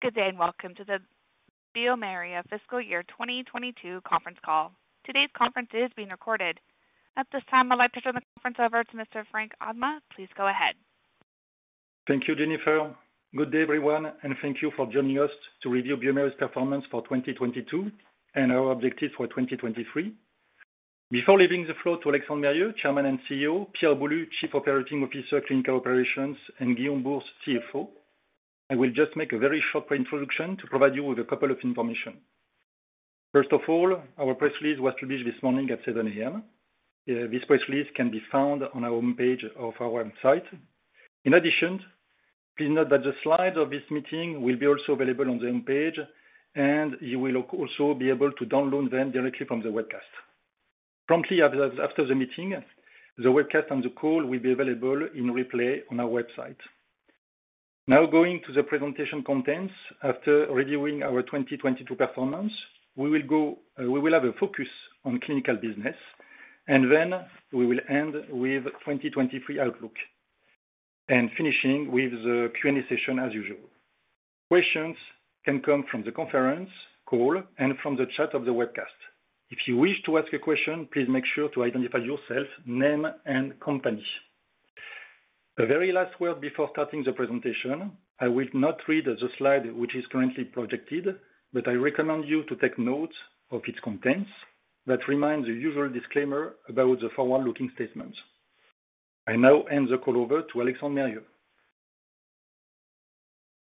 Good day and welcome to the bioMérieux fiscal year 2022 conference call. Today's conference is being recorded. At this time, I'd like to turn the conference over to Mr. Franck Admant. Please go ahead. Thank you, Jennifer. Good day, everyone, and thank you for joining us to review bioMérieux's performance for 2022 and our objective for 2023. Before leaving the floor to Alexandre Mérieux, Chairman and CEO, Pierre Boulud, Chief Operating Officer, Clinical Operations, and Guillaume Bouhours, CFO, I will just make a very short introduction to provide you with a couple of information. First of all, our press release was released this morning at 7:00 A.M. This press release can be found on our homepage of our website. In addition, please note that the slides of this meeting will be also available on the homepage, and you will also be able to download them directly from the webcast. Promptly after the meeting, the webcast and the call will be available in replay on our website. Going to the presentation contents. After reviewing our 2022 performance, we will have a focus on clinical business, and then we will end with 2023 outlook. Finishing with the Q&A session as usual. Questions can come from the conference call and from the chat of the webcast. If you wish to ask a question, please make sure to identify yourself, name and company. A very last word before starting the presentation. I will not read the slide which is currently projected, but I recommend you to take note of its contents that remind the usual disclaimer about the forward-looking statements. I now hand the call over to Alexandre Mérieux.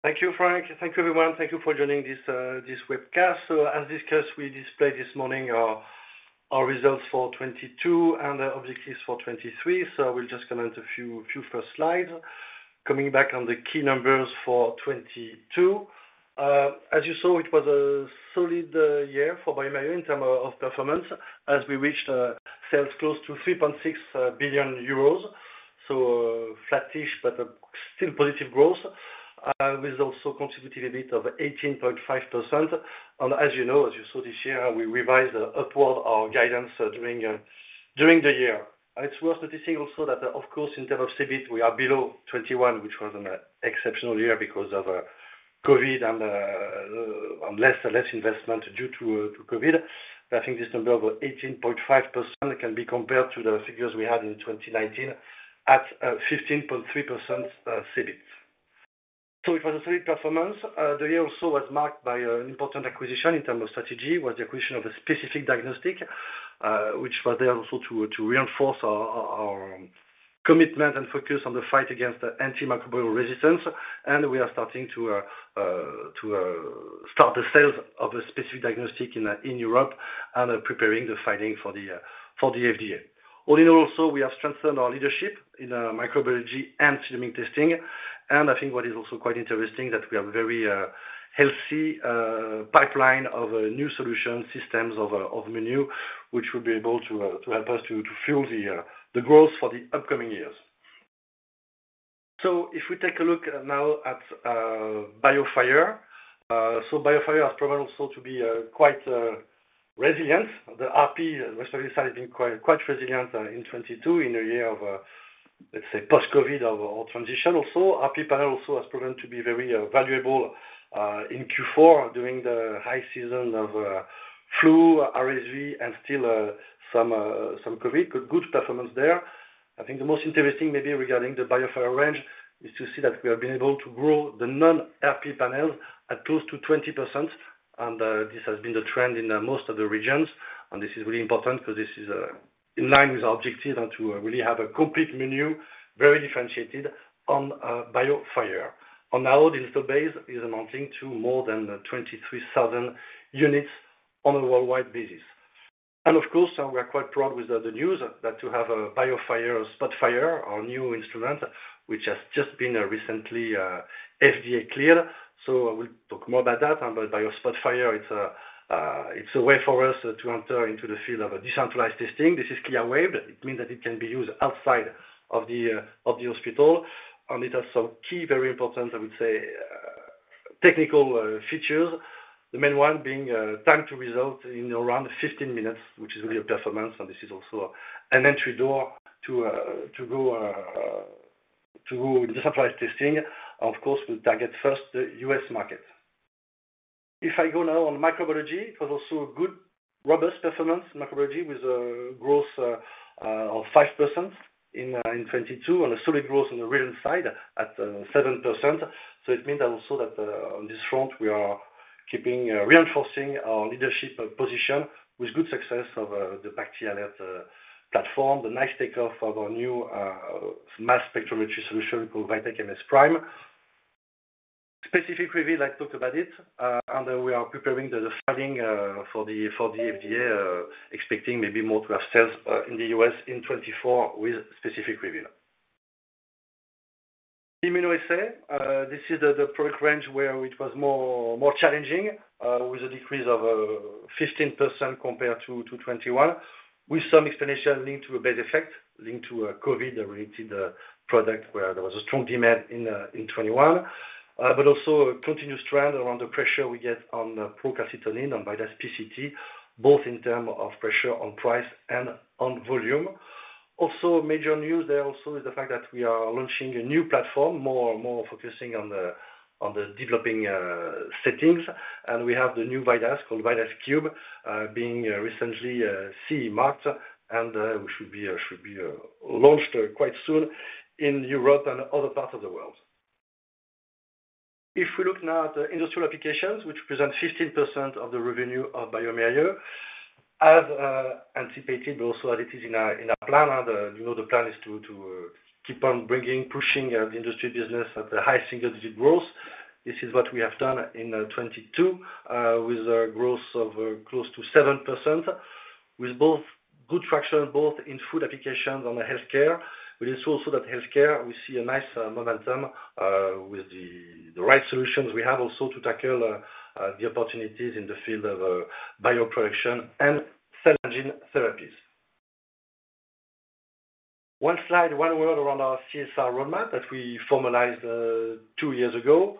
Thank you, Franck. Thank you, everyone. Thank you for joining this webcast. As discussed, we display this morning our results for 2022 and our objectives for 2023. We'll just comment a few first slides. Coming back on the key numbers for 2022. As you saw, it was a solid year for bioMérieux in terms of performance as we reached sales close to 3.6 billion euros. flat-ish, but still positive growth with also contributed a bit of 18.5%. As you know, as you saw this year, we revised upward our guidance during the year. It's worth noticing also that of course, in terms of CEBIT, we are below 2021, which was an exceptional year because of COVID and less investment due to COVID. I think this number of 18.5% can be compared to the figures we had in 2019 at 15.3%, CEBIT. It was a great performance. The year also was marked by an important acquisition in term of strategy, was the acquisition of Specific Diagnostics, which was there also to reinforce our commitment and focus on the fight against antimicrobial resistance. We are starting to start the sales of Specific Diagnostics in Europe and preparing the filing for the FDA. Also, we have strengthened our leadership in microbiology and filming testing. I think what is also quite interesting that we have very healthy pipeline of new solution systems of menu, which will be able to help us to fuel the growth for the upcoming years. If we take a look now at BIOFIRE. BIOFIRE has proven also to be quite resilient. The RP, respiratory sync, has been quite resilient in 2022 in a year of let's say post-COVID or transition also. RP panel also has proven to be very valuable in Q4 during the high season of flu, RSV and still some COVID. Good performance there. I think the most interesting maybe regarding the BIOFIRE range is to see that we have been able to grow the non-RP panels at close to 20%. This has been the trend in most of the regions. This is really important because this is in line with our objective and to really have a complete menu, very differentiated on BIOFIRE. On our install base is amounting to more than 23,000 units on a worldwide basis. Of course, we are quite proud with the news that to have a BIOFIRE SPOTFIRE, our new instrument, which has just been recently FDA cleared. We'll talk more about that. BIOFIRE SPOTFIRE, it's it's a way for us to enter into the field of decentralized testing. This is CLIA-waived. It means that it can be used outside of the hospital. It has some key, very important, I would say, technical features. The main one being, time-to-result in around 15 minutes, which is really a performance. This is also an entry door to go to decentralized testing. Of course, we target first the U.S. market. If I go now on microbiology, it was also a good, robust performance, microbiology, with a growth of 5% in 2022 and a solid growth on the real side at 7%. It means also that on this front, we are reinforcing our leadership position with good success of the BACT/ALERT platform, the nice take-off of our new mass spectrometry solution called VITEK MS PRIME. SPECIFIC REVEAL, I talked about it. We are preparing the filing for the FDA, expecting maybe more to have sales in the U.S. in 2024 with SPECIFIC REVEAL. Immunoassay, this is the product range where it was more challenging, with a decrease of 15% compared to 2021, with some explanation linked to a base effect, linked to a COVID-related product where there was a strong demand in 2021. Also a continuous trend around the pressure we get on procalcitonin, on VIDAS PCT, both in term of pressure on price and on volume. Also, major news there also is the fact that we are launching a new platform, more focusing on the developing settings. We have the new VIDAS, called VIDAS KUBE, being recently CE marked and which should be launched quite soon in Europe and other parts of the world. We look now at the industrial applications, which represent 15% of the revenue of bioMérieux, as anticipated, but also as it is in our plan. You know, the plan is to keep on bringing, pushing the industry business at the high single-digit growth. This is what we have done in 2022, with a growth of close to 7%, with both good traction both in food applications on the healthcare. It's also that healthcare, we see a nice momentum with the right solutions we have also to tackle the opportunities in the field of bioproduction and cell and gene therapies. One slide, one word around our CSR roadmap that we formalized two years ago.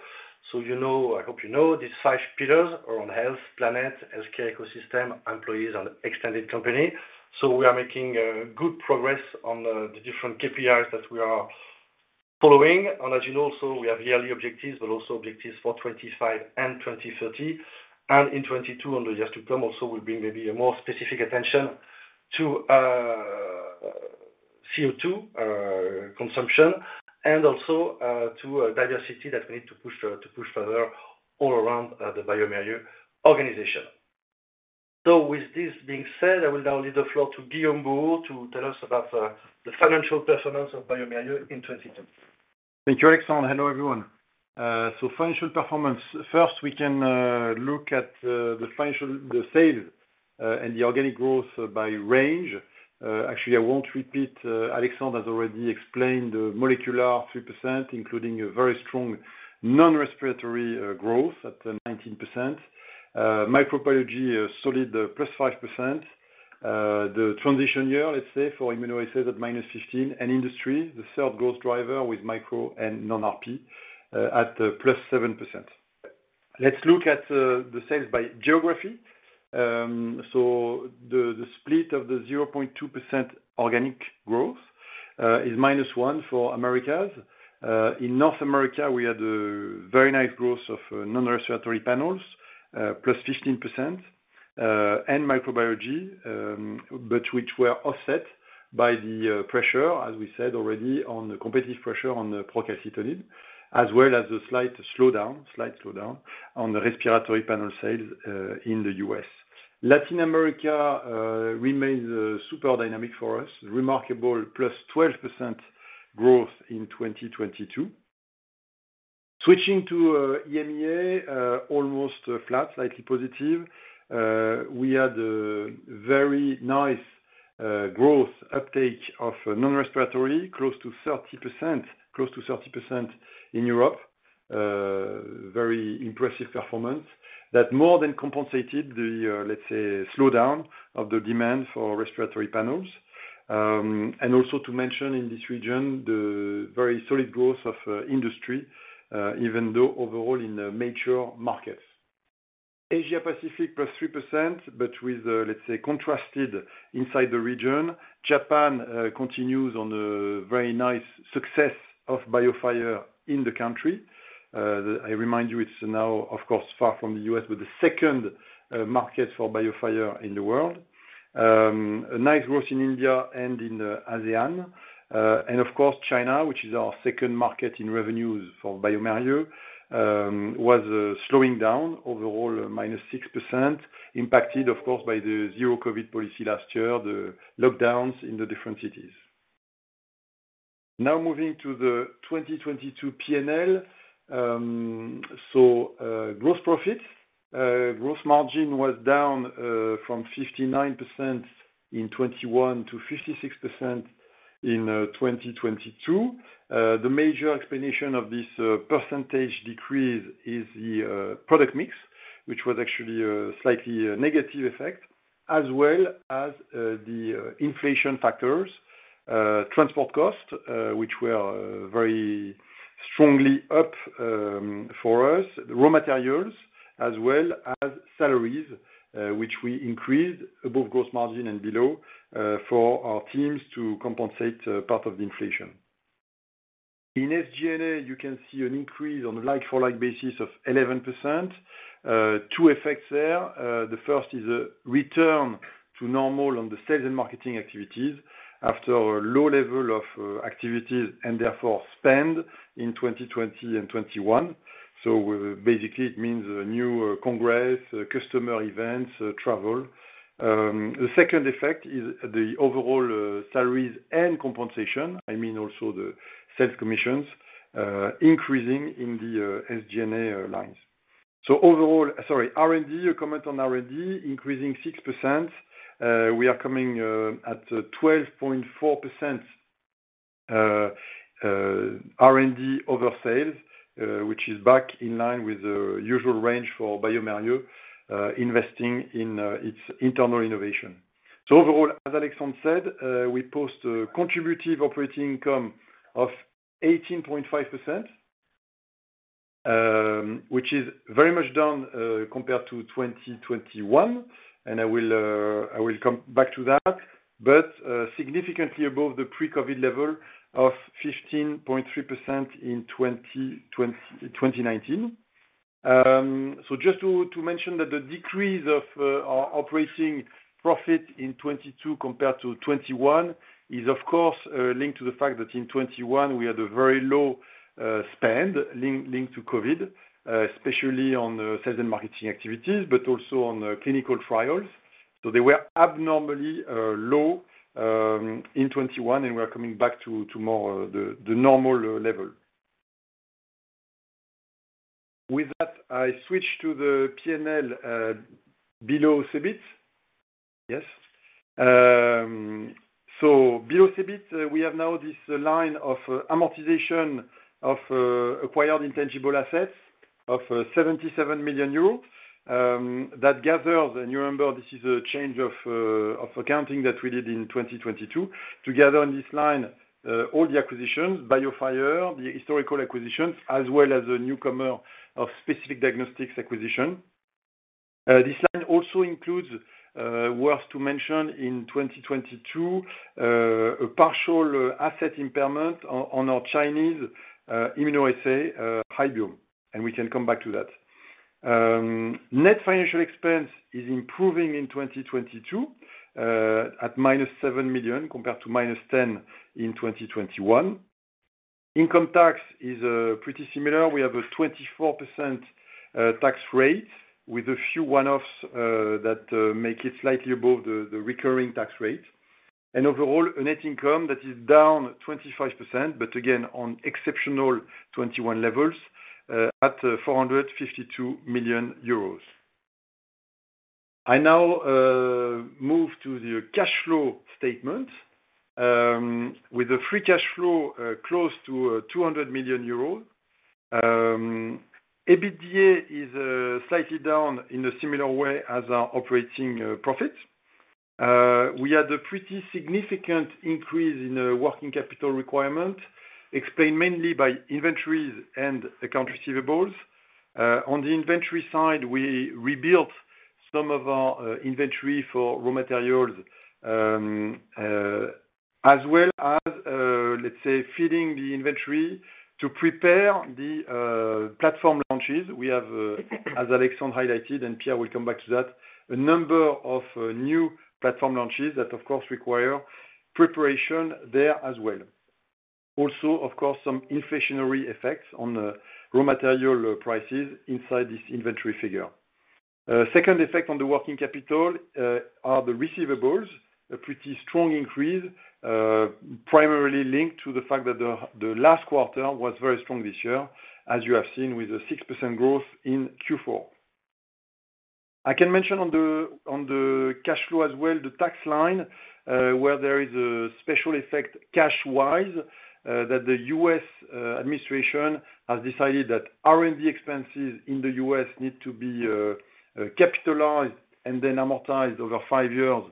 You know, I hope you know these five pillars are on health, planet, healthcare ecosystem, employees and extended company. We are making good progress on the different KPIs that we are following. As you know also we have yearly objectives, but also objectives for 2025 and 2030. In 2022, on the years to come also we'll bring maybe a more specific attention to CO2 consumption and also to diversity that we need to push further all around the bioMérieux organization. With this being said, I will now leave the floor to Guillaume Bouhours to tell us about the financial performance of bioMérieux in 2022. Thank you, Alexandre. Hello, everyone. Financial performance. First, we can look at the financial, the sales, and the organic growth by range. Actually, I won't repeat. Alexandre has already explained the molecular 3%, including a very strong non-respiratory growth at 19%. Microbiology a solid +5%. The transition year, let's say, for immunoassays at -15%. Industry, the third growth driver with micro and non-RP, at +7%. Let's look at the sales by geography. The split of the 0.2% organic growth is -1% for Americas. In North America, we had a very nice growth of non-respiratory panels, +15%, and microbiology, which were offset by the pressure, as we said already, on the competitive pressure on the procalcitonin, as well as the slight slowdown on the respiratory panel sales in the U.S. Latin America remains super dynamic for us. Remarkable +12% growth in 2022. Switching to EMEA, almost flat, slightly positive. We had a very nice growth uptake of non-respiratory, close to 30%, close to 30% in Europe. Very impressive performance that more than compensated the, let's say, slowdown of the demand for respiratory panels. Also to mention in this region the very solid growth of industry, even though overall in the mature markets. Asia Pacific plus 3%, with, let's say, contrasted inside the region. Japan continues on a very nice success of BIOFIRE in the country. I remind you it's now, of course, far from the U.S., the second market for BIOFIRE in the world. A nice growth in India and in ASEAN. Of course, China, which is our second market in revenues for bioMérieux, was slowing down overall -6%, impacted of course by the zero-COVID policy last year, the lockdowns in the different cities. Moving to the 2022 P&L. Gross profit. Gross margin was down from 59% in 2021 to 56% in 2022. The major explanation of this percentage decrease is the product mix, which was actually a slightly negative effect, as well as the inflation factors, transport costs, which were very strongly up for us. Raw materials as well as salaries, which we increased above gross margin and below, for our teams to compensate part of the inflation. In SG&A, you can see an increase on a like-for-like basis of 11%. Two effects there. The first is a return to normal on the sales and marketing activities after a low level of activities and therefore spend in 2020 and 2021. Basically, it means a new congress, customer events, travel. The second effect is the overall salaries and compensation. I mean, also the sales commissions, increasing in the SG&A lines. R&D, a comment on R&D increasing 6%. We are coming at 12.4% R&D over sales, which is back in line with the usual range for bioMérieux, investing in its internal innovation. Overall, as Alexandre said, we post a contributive operating income of 18.5%. Which is very much down compared to 2021, and I will come back to that, but significantly above the pre-COVID level of 15.3% in 2019. Just to mention that the decrease of our operating profit in 22 compared to 21 is of course linked to the fact that in 21 we had a very low spend linked to COVID, especially on the sales and marketing activities, but also on the clinical trials. They were abnormally low in 21 and we're coming back to the normal level. With that, I switch to the P&L below CEBIT. Yes. Below CEBIT, we have now this line of amortization of acquired intangible assets of 77 million euros that gather. You remember this is a change of accounting that we did in 2022 to gather on this line all the acquisitions, BIOFIRE, the historical acquisitions, as well as a newcomer of Specific Diagnostics acquisition. This line also includes, worth to mention in 2022, a partial asset impairment on our Chinese immunoassay Hybiome, we can come back to that. Net financial expense is improving in 2022, at -7 million compared to -10 in 2021. Income tax is pretty similar. We have a 24% tax rate with a few one-offs that make it slightly above the recurring tax rate. Overall, a net income that is down 25%, but again, on exceptional 2021 levels, at 452 million euros. I now move to the cash flow statement, with a free cash flow close to 200 million euros. EBITDA is slightly down in a similar way as our operating profit. We had a pretty significant increase in the working capital requirement, explained mainly by inventories and account receivables. On the inventory side, we rebuilt some of our inventory for raw materials, as well as, let's say, feeding the inventory to prepare the platform launches. We have, as Alexandre highlighted, and Pierre will come back to that, a number of new platform launches that, of course, require preparation there as well. Of course, some inflationary effects on the raw material prices inside this inventory figure. Second effect on the working capital are the receivables, a pretty strong increase, primarily linked to the fact that the last quarter was very strong this year, as you have seen with the 6% growth in Q4. I can mention on the cash flow as well, the tax line, where there is a special effect cash-wise, that the U.S. administration has decided that R&D expenses in the U.S. need to be capitalized and then amortized over five years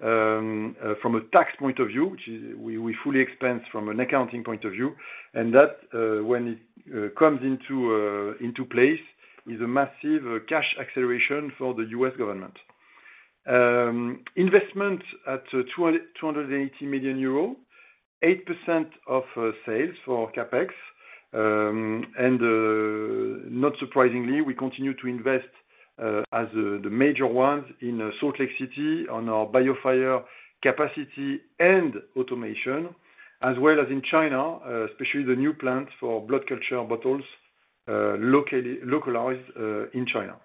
from a tax point of view. Which is we fully expense from an accounting point of view. That when it comes into place is a massive cash acceleration for the U.S. government. Investment at 280 million euros, 8% of sales for CapEx. Not surprisingly, we continue to invest as the major ones in Salt Lake City on our BIOFIRE capacity and automation, as well as in China, especially the new plant for blood culture bottles, localized in China.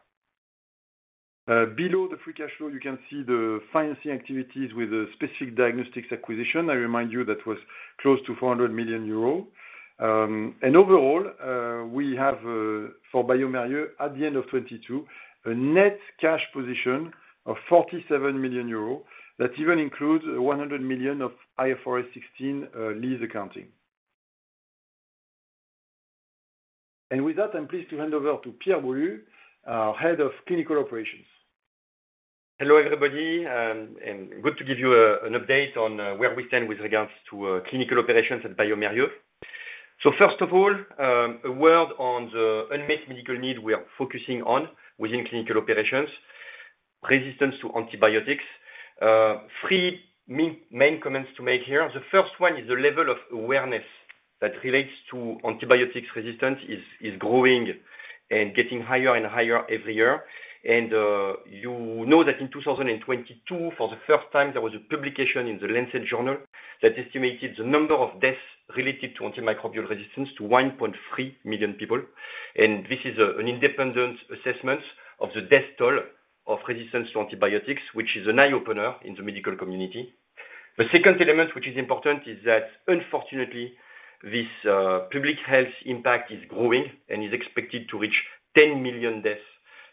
Below the free cash flow, you can see the financing activities with a Specific Diagnostics acquisition. I remind you that was close to 400 million euros. Overall, we have for bioMérieux at the end of 2022, a net cash position of 47 million euros. That even includes 100 million of IFRS 16 lease accounting. With that, I'm pleased to hand over to Pierre Boulud, our Head of Clinical Operations. Hello, everybody, good to give you an update on where we stand with regards to clinical operations at bioMérieux. First of all, a word on the unmet medical need we are focusing on within clinical operations, resistance to antibiotics. Three main comments to make here. The first one is the level of awareness that relates to antibiotics resistance is growing and getting higher and higher every year. You know that in 2022, for the first time, there was a publication in The Lancet journal that estimated the number of deaths related to antimicrobial resistance to 1.3 million people. This is an independent assessment of the death toll of resistance to antibiotics, which is an eye-opener in the medical community. The second element, which is important, is that unfortunately, this public health impact is growing and is expected to reach 10 million deaths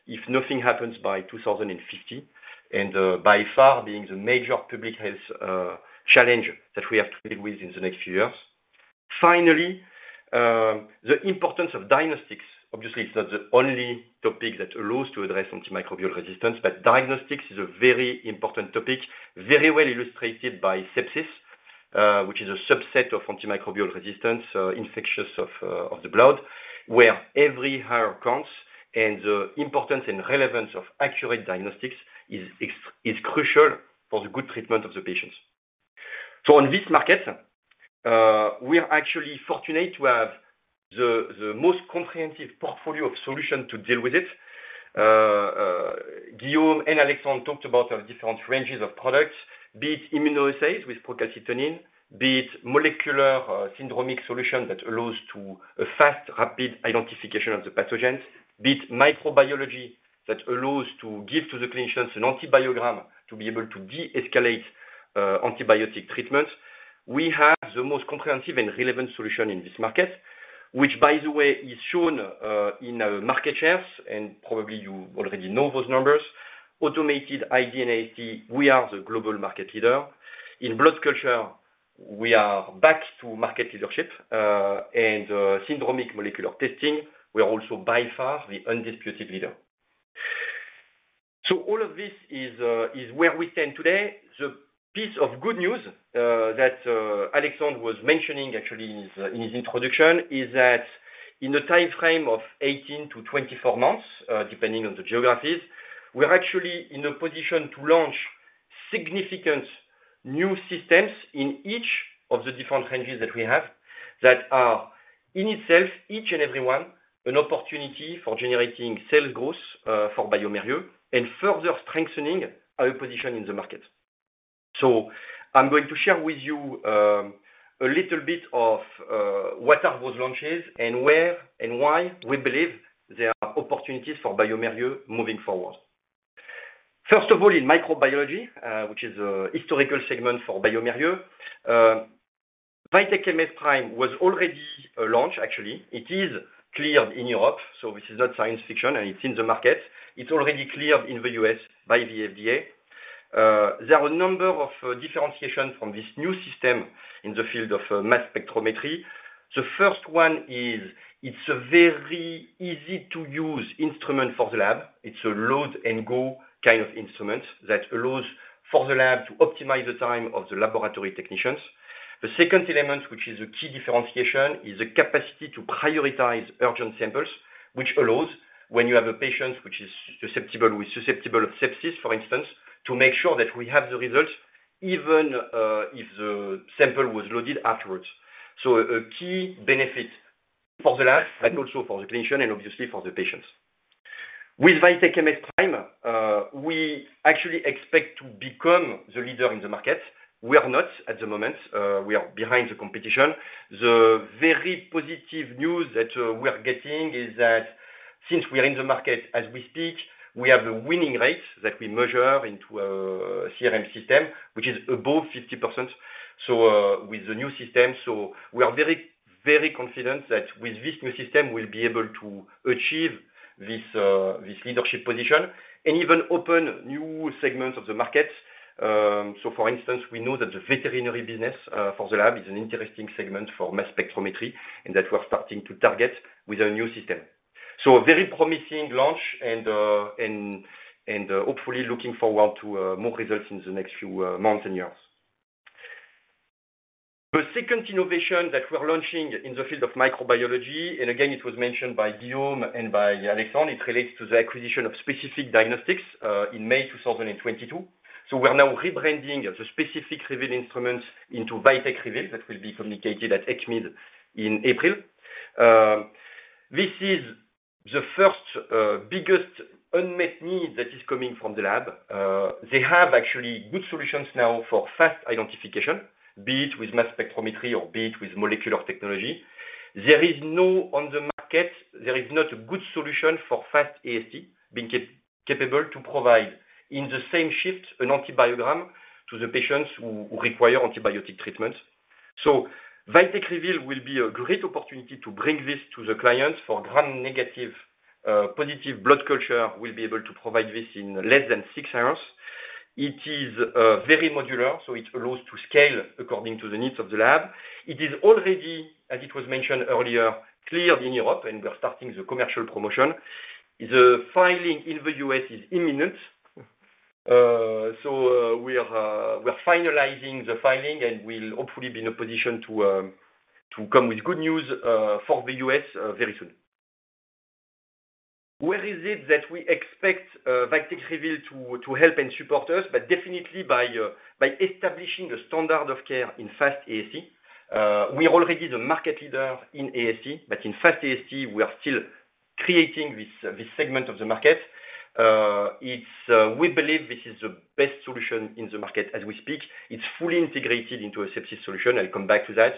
if nothing happens by 2050, and by far being the major public health challenge that we have to deal with in the next few years. Finally, the importance of diagnostics. Obviously, it's not the only topic that allows to address antimicrobial resistance, but diagnostics is a very important topic, very well illustrated by sepsis. Which is a subset of antimicrobial resistance, so infectious of the blood, where every hour counts and the importance and relevance of accurate diagnostics is crucial for the good treatment of the patients. In this market, we are actually fortunate to have the most comprehensive portfolio of solutions to deal with it. Guillaume and Alexandre talked about our different ranges of products, be it immunoassays with procalcitonin, be it molecular syndromic solution that allows to a fast, rapid identification of the pathogens, be it microbiology that allows to give to the clinicians an antibiogram to be able to de-escalate, antibiotic treatment. We have the most comprehensive and relevant solution in this market, which by the way is shown in our market shares, and probably you already know those numbers. Automated ID and AST, we are the global market leader. In blood culture, we are back to market leadership, and syndromic molecular testing, we are also by far the undisputed leader. All of this is where we stand today. The piece of good news, that Alexandre was mentioning actually in his, in his introduction is that in a timeframe of 18-24 months, depending on the geographies, we are actually in a position to launch significant new systems in each of the different ranges that we have that are, in itself, each and every one, an opportunity for generating sales growth for bioMérieux and further strengthening our position in the market. I'm going to share with you a little bit of what are those launches and where and why we believe there are opportunities for bioMérieux moving forward. First of all, in microbiology, which is a historical segment for bioMérieux, VITEK MS PRIME was already a launch, actually. It is cleared in Europe, so this is not science fiction, and it's in the market. It's already cleared in the U.S. by the FDA. There are a number of differentiations from this new system in the field of mass spectrometry. The first one is it's a very easy-to-use instrument for the lab. It's a load-and-go kind of instrument that allows for the lab to optimize the time of the laboratory technicians. The second element, which is a key differentiation, is the capacity to prioritize urgent samples, which allows when you have a patient which is susceptible of sepsis, for instance, to make sure that we have the results even if the sample was loaded afterwards. A key benefit for the lab and also for the clinician and obviously for the patients. With VITEK MS PRIME, we actually expect to become the leader in the market. We are not at the moment. We are behind the competition. The very positive news that we are getting is that since we are in the market as we speak, we have a winning rate that we measure into CRM system, which is above 50%, so with the new system. We are very, very confident that with this new system, we'll be able to achieve this leadership position and even open new segments of the market. For instance, we know that the veterinary business for the lab is an interesting segment for mass spectrometry and that we're starting to target with our new system. A very promising launch and hopefully looking forward to more results in the next few months and years. The second innovation that we're launching in the field of microbiology, it was mentioned by Guillaume and by Alexandre, it relates to the acquisition of Specific Diagnostics in May 2022. We are now rebranding the SPECIFIC REVEAL instruments into VITEK REVEAL. That will be communicated at ECCMID in April. This is the first biggest unmet need that is coming from the lab. They have actually good solutions now for fast identification, be it with mass spectrometry or be it with molecular technology. There is no on the market, there is not a good solution for fast AST being capable to provide in the same shift an antibiogram to the patients who require antibiotic treatment. VITEK REVEAL will be a great opportunity to bring this to the client. For gram-negative, positive blood culture, we'll be able to provide this in less than six hours. It is very modular, so it allows to scale according to the needs of the lab. It is already, as it was mentioned earlier, cleared in Europe, and we're starting the commercial promotion. The filing in the U.S. is imminent. We are finalizing the filing, and we'll hopefully be in a position to come with good news for the U.S. Very soon. Where is it that we expect VITEK REVEAL to help and support us? Definitely by establishing the standard of care in fast AST. We are already the market leader in AST, but in fast AST we are still creating this segment of the market. It's, we believe this is the best solution in the market as we speak. It's fully integrated into a sepsis solution. I'll come back to that.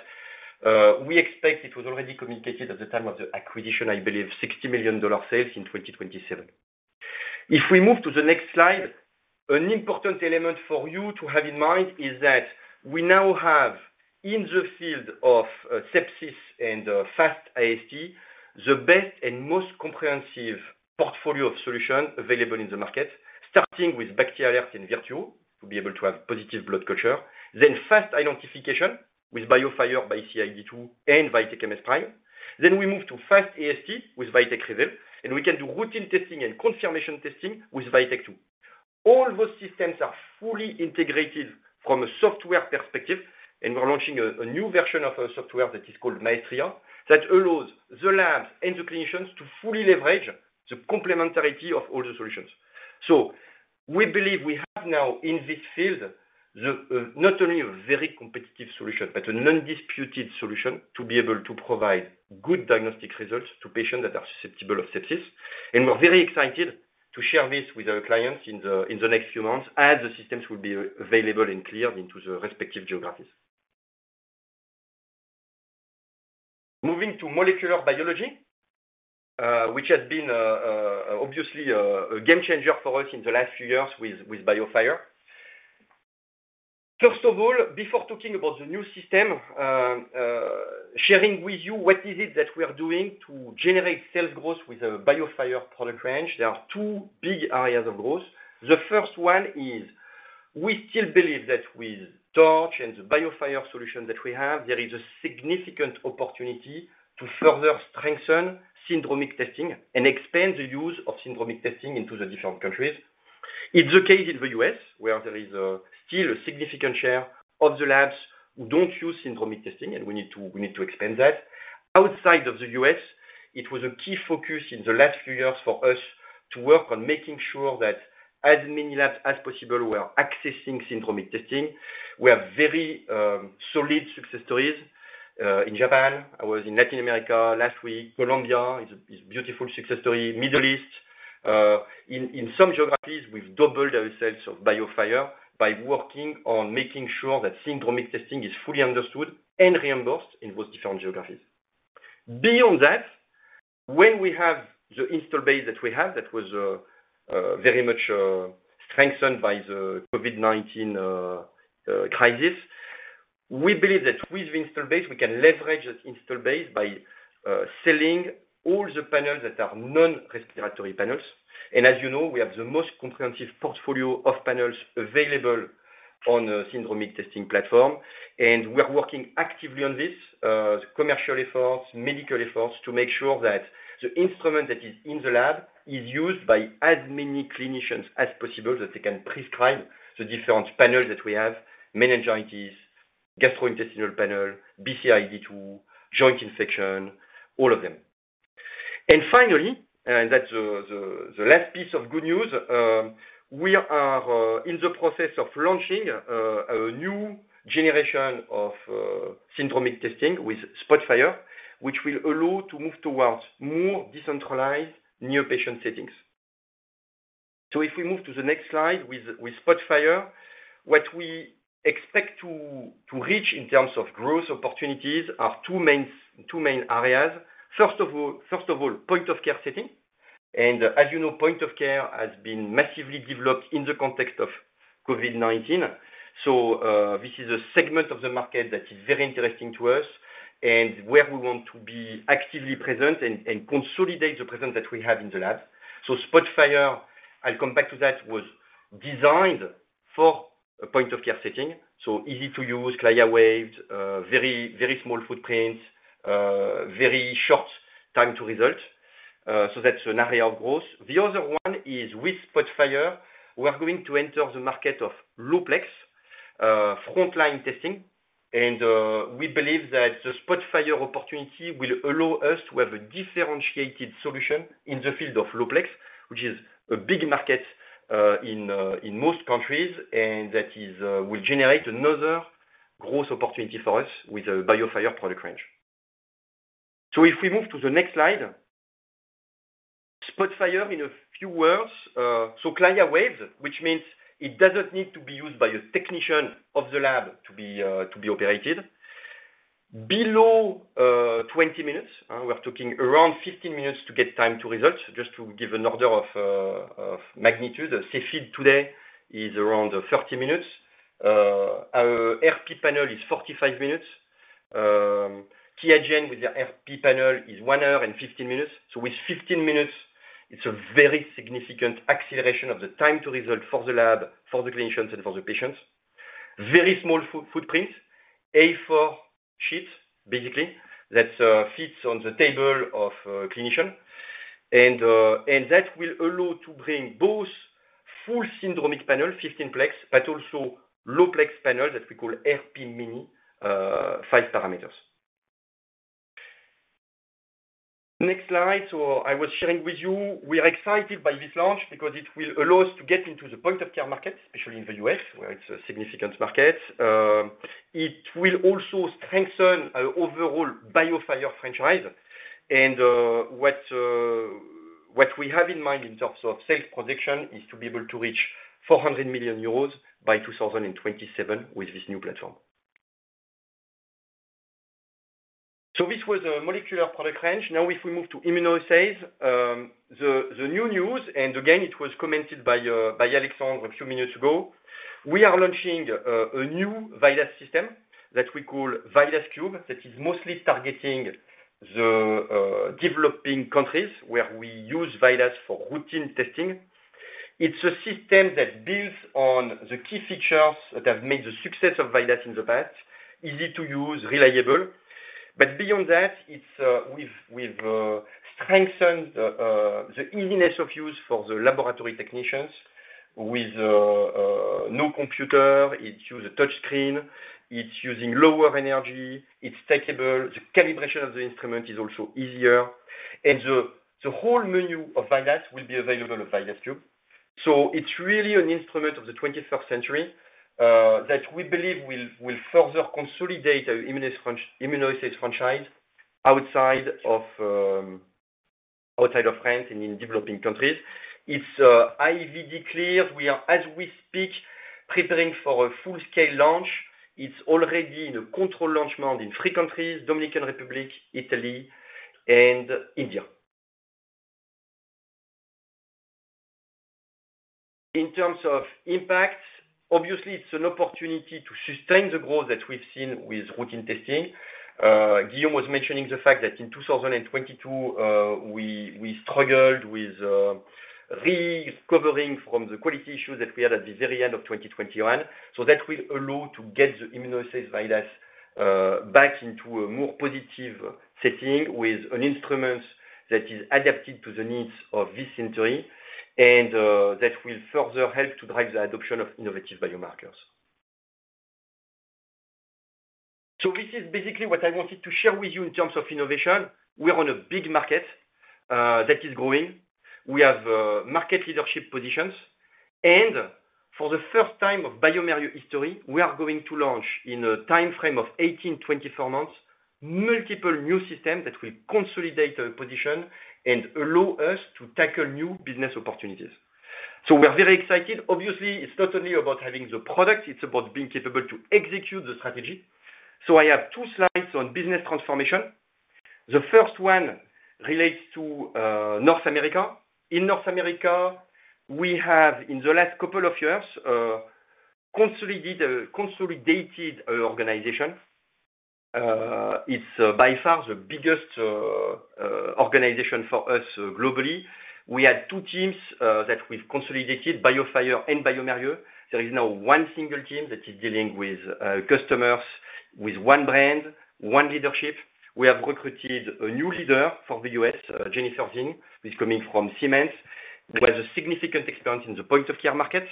We expect it was already communicated at the time of the acquisition, I believe $60 million sales in 2027. We move to the next slide, an important element for you to have in mind is that we now have, in the field of sepsis and fast AST, the best and most comprehensive portfolio of solution available in the market, starting with BACT/ALERT and VIRTUO to be able to have positive blood culture. Fast identification with BIOFIRE, BCID2, and VITEK MS PRIME. We move to fast AST with VITEK REVEAL, and we can do routine testing and confirmation testing with VITEK 2. All those systems are fully integrated from a software perspective, and we're launching a new version of our software that is called MAESTRIA. That allows the labs and the clinicians to fully leverage the complementarity of all the solutions. We believe we have now in this field, not only a very competitive solution, but an undisputed solution to be able to provide good diagnostic results to patients that are susceptible of sepsis. We're very excited to share this with our clients in the next few months as the systems will be available and cleared into the respective geographies. Moving to molecular biology, which has been obviously a game changer for us in the last few years with BIOFIRE. First of all, before talking about the new system, sharing with you what is it that we are doing to generate sales growth with the BIOFIRE product range. There are two big areas of growth. The first one is we still believe that with TORCH and the BIOFIRE solution that we have, there is a significant opportunity to further strengthen syndromic testing and expand the use of syndromic testing into the different countries. It's the case in the U.S., where there is still a significant share of the labs who don't use syndromic testing, and we need to expand that. Outside of the U.S., it was a key focus in the last few years for us to work on making sure that as many labs as possible were accessing syndromic testing. We have very solid success stories in Japan. I was in Latin America last week. Colombia is beautiful success story. Middle East. In some geographies, we've doubled our sales of BIOFIRE by working on making sure that syndromic testing is fully understood and reimbursed in those different geographies. Beyond that, when we have the install base that we have, that was very much strengthened by the COVID-19 crisis. We believe that with the install base, we can leverage that install base by selling all the panels that are non-respiratory panels. As you know, we have the most comprehensive portfolio of panels available on a syndromic testing platform, and we are working actively on this. The commercial efforts, medical efforts to make sure that the instrument that is in the lab is used by as many clinicians as possible, that they can prescribe the different panels that we have. Meningitis, gastrointestinal panel, BCID2, joint infection, all of them. Finally, that's the last piece of good news. We are in the process of launching a new generation of syndromic testing with SPOTFIRE, which will allow to move towards more decentralized new patient settings. If we move to the next slide with SPOTFIRE, what we expect to reach in terms of growth opportunities are two main areas. First of all, point of care setting. As you know, point of care has been massively developed in the context of COVID-19. This is a segment of the market that is very interesting to us and where we want to be actively present and consolidate the presence that we have in the lab. SPOTFIRE, I'll come back to that, was designed for a point of care setting. Easy to use, CLIA-waived, very, very small footprint. Very short time-to-result. That's an area of growth. The other one is with SPOTFIRE, we are going to enter the market of low plex, frontline testing. We believe that the SPOTFIRE opportunity will allow us to have a differentiated solution in the field of low plex, which is a big market in most countries. That is will generate another growth opportunity for us with the BIOFIRE product range. If we move to the next slide. SPOTFIRE in a few words. CLIA-waived, which means it doesn't need to be used by a technician of the lab to be operated. Below 20 minutes. We're talking around 15 minutes to get time-to-results. Just to give an order of magnitude. A Cepheid today is around 30 minutes. Our RP Panel is 45 minutes. QIAGEN with the RP Panel is 1 hour and 15 minutes. With 15 minutes, it's a very significant acceleration of the time-to-result for the lab, for the clinicians, and for the patients. Very small footprint. A4 sheet, basically. That fits on the table of a clinician. That will allow to bring both full syndromic panel, 15-plex, but also low plex panel that we call RP-Mini 5 parameters. Next slide. I was sharing with you, we are excited by this launch because it will allow us to get into the point of care market, especially in the U.S., where it's a significant market. It will also strengthen our overall BIOFIRE franchise. What we have in mind in terms of sales prediction is to be able to reach 400 million euros by 2027 with this new platform. This was a molecular product range. Now, if we move to immunoassays, the new news, and again, it was commented by Alexandre a few minutes ago. We are launching a new VIDAS system that we call VIDAS KUBE, that is mostly targeting the developing countries where we use VIDAS for routine testing. It's a system that builds on the key features that have made the success of VIDAS in the past. Easy to use, reliable. Beyond that, it's we've strengthened the easiness of use for the laboratory technicians with no computer. It use a touch screen. It's using lower energy. It's takeable. The calibration of the instrument is also easier. The whole menu of VIDAS will be available at VIDAS KUBE. It's really an instrument of the 21st century that we believe will further consolidate our immunoassays franchise outside of France and in developing countries. It's IVD clear. We are, as we speak, preparing for a full-scale launch. It's already in a control launch mode in three countries, Dominican Republic, Italy and India. In terms of impact, obviously it's an opportunity to sustain the growth that we've seen with routine testing. Guillaume was mentioning the fact that in 2022, we struggled with recovering from the quality issue that we had at the very end of 2021. That will allow to get the immunoassay VIDAS back into a more positive setting with an instrument that is adapted to the needs of this century, and that will further help to drive the adoption of innovative biomarkers. This is basically what I wanted to share with you in terms of innovation. We are on a big market that is growing. We have market leadership positions. For the first time of bioMérieux history, we are going to launch in a timeframe of 18-24 months, multiple new systems that will consolidate our position and allow us to tackle new business opportunities. We are very excited. Obviously, it's not only about having the product, it's about being capable to execute the strategy. I have two slides on business transformation. The first one relates to North America. In North America, we have in the last couple of years consolidated our organization. It's by far the biggest organization for us globally. We had two teams that we've consolidated, BIOFIRE and bioMérieux. There is now one single team that is dealing with customers with one brand, one leadership. We have recruited a new leader for the U.S., Jennifer Zinn, who's coming from Siemens, who has a significant experience in the point of care market,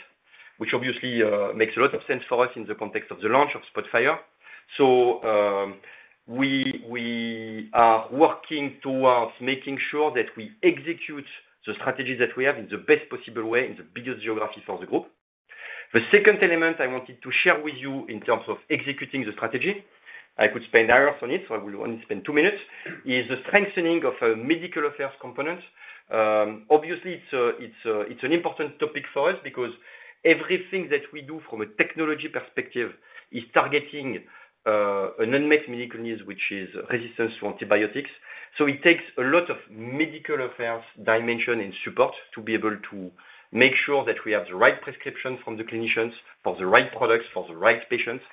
which obviously makes a lot of sense for us in the context of the launch of SPOTFIRE. We are working towards making sure that we execute the strategy that we have in the best possible way, in the biggest geography for the group. The second element I wanted to share with you in terms of executing the strategy, I could spend hours on it, so I will only spend two minutes, is the strengthening of a medical affairs component. Obviously it's, it's an important topic for us because everything that we do from a technology perspective is targeting an unmet medical need, which is resistance to antibiotics. It takes a lot of medical affairs dimension and support to be able to make sure that we have the right prescription from the clinicians for the right products, for the right patients.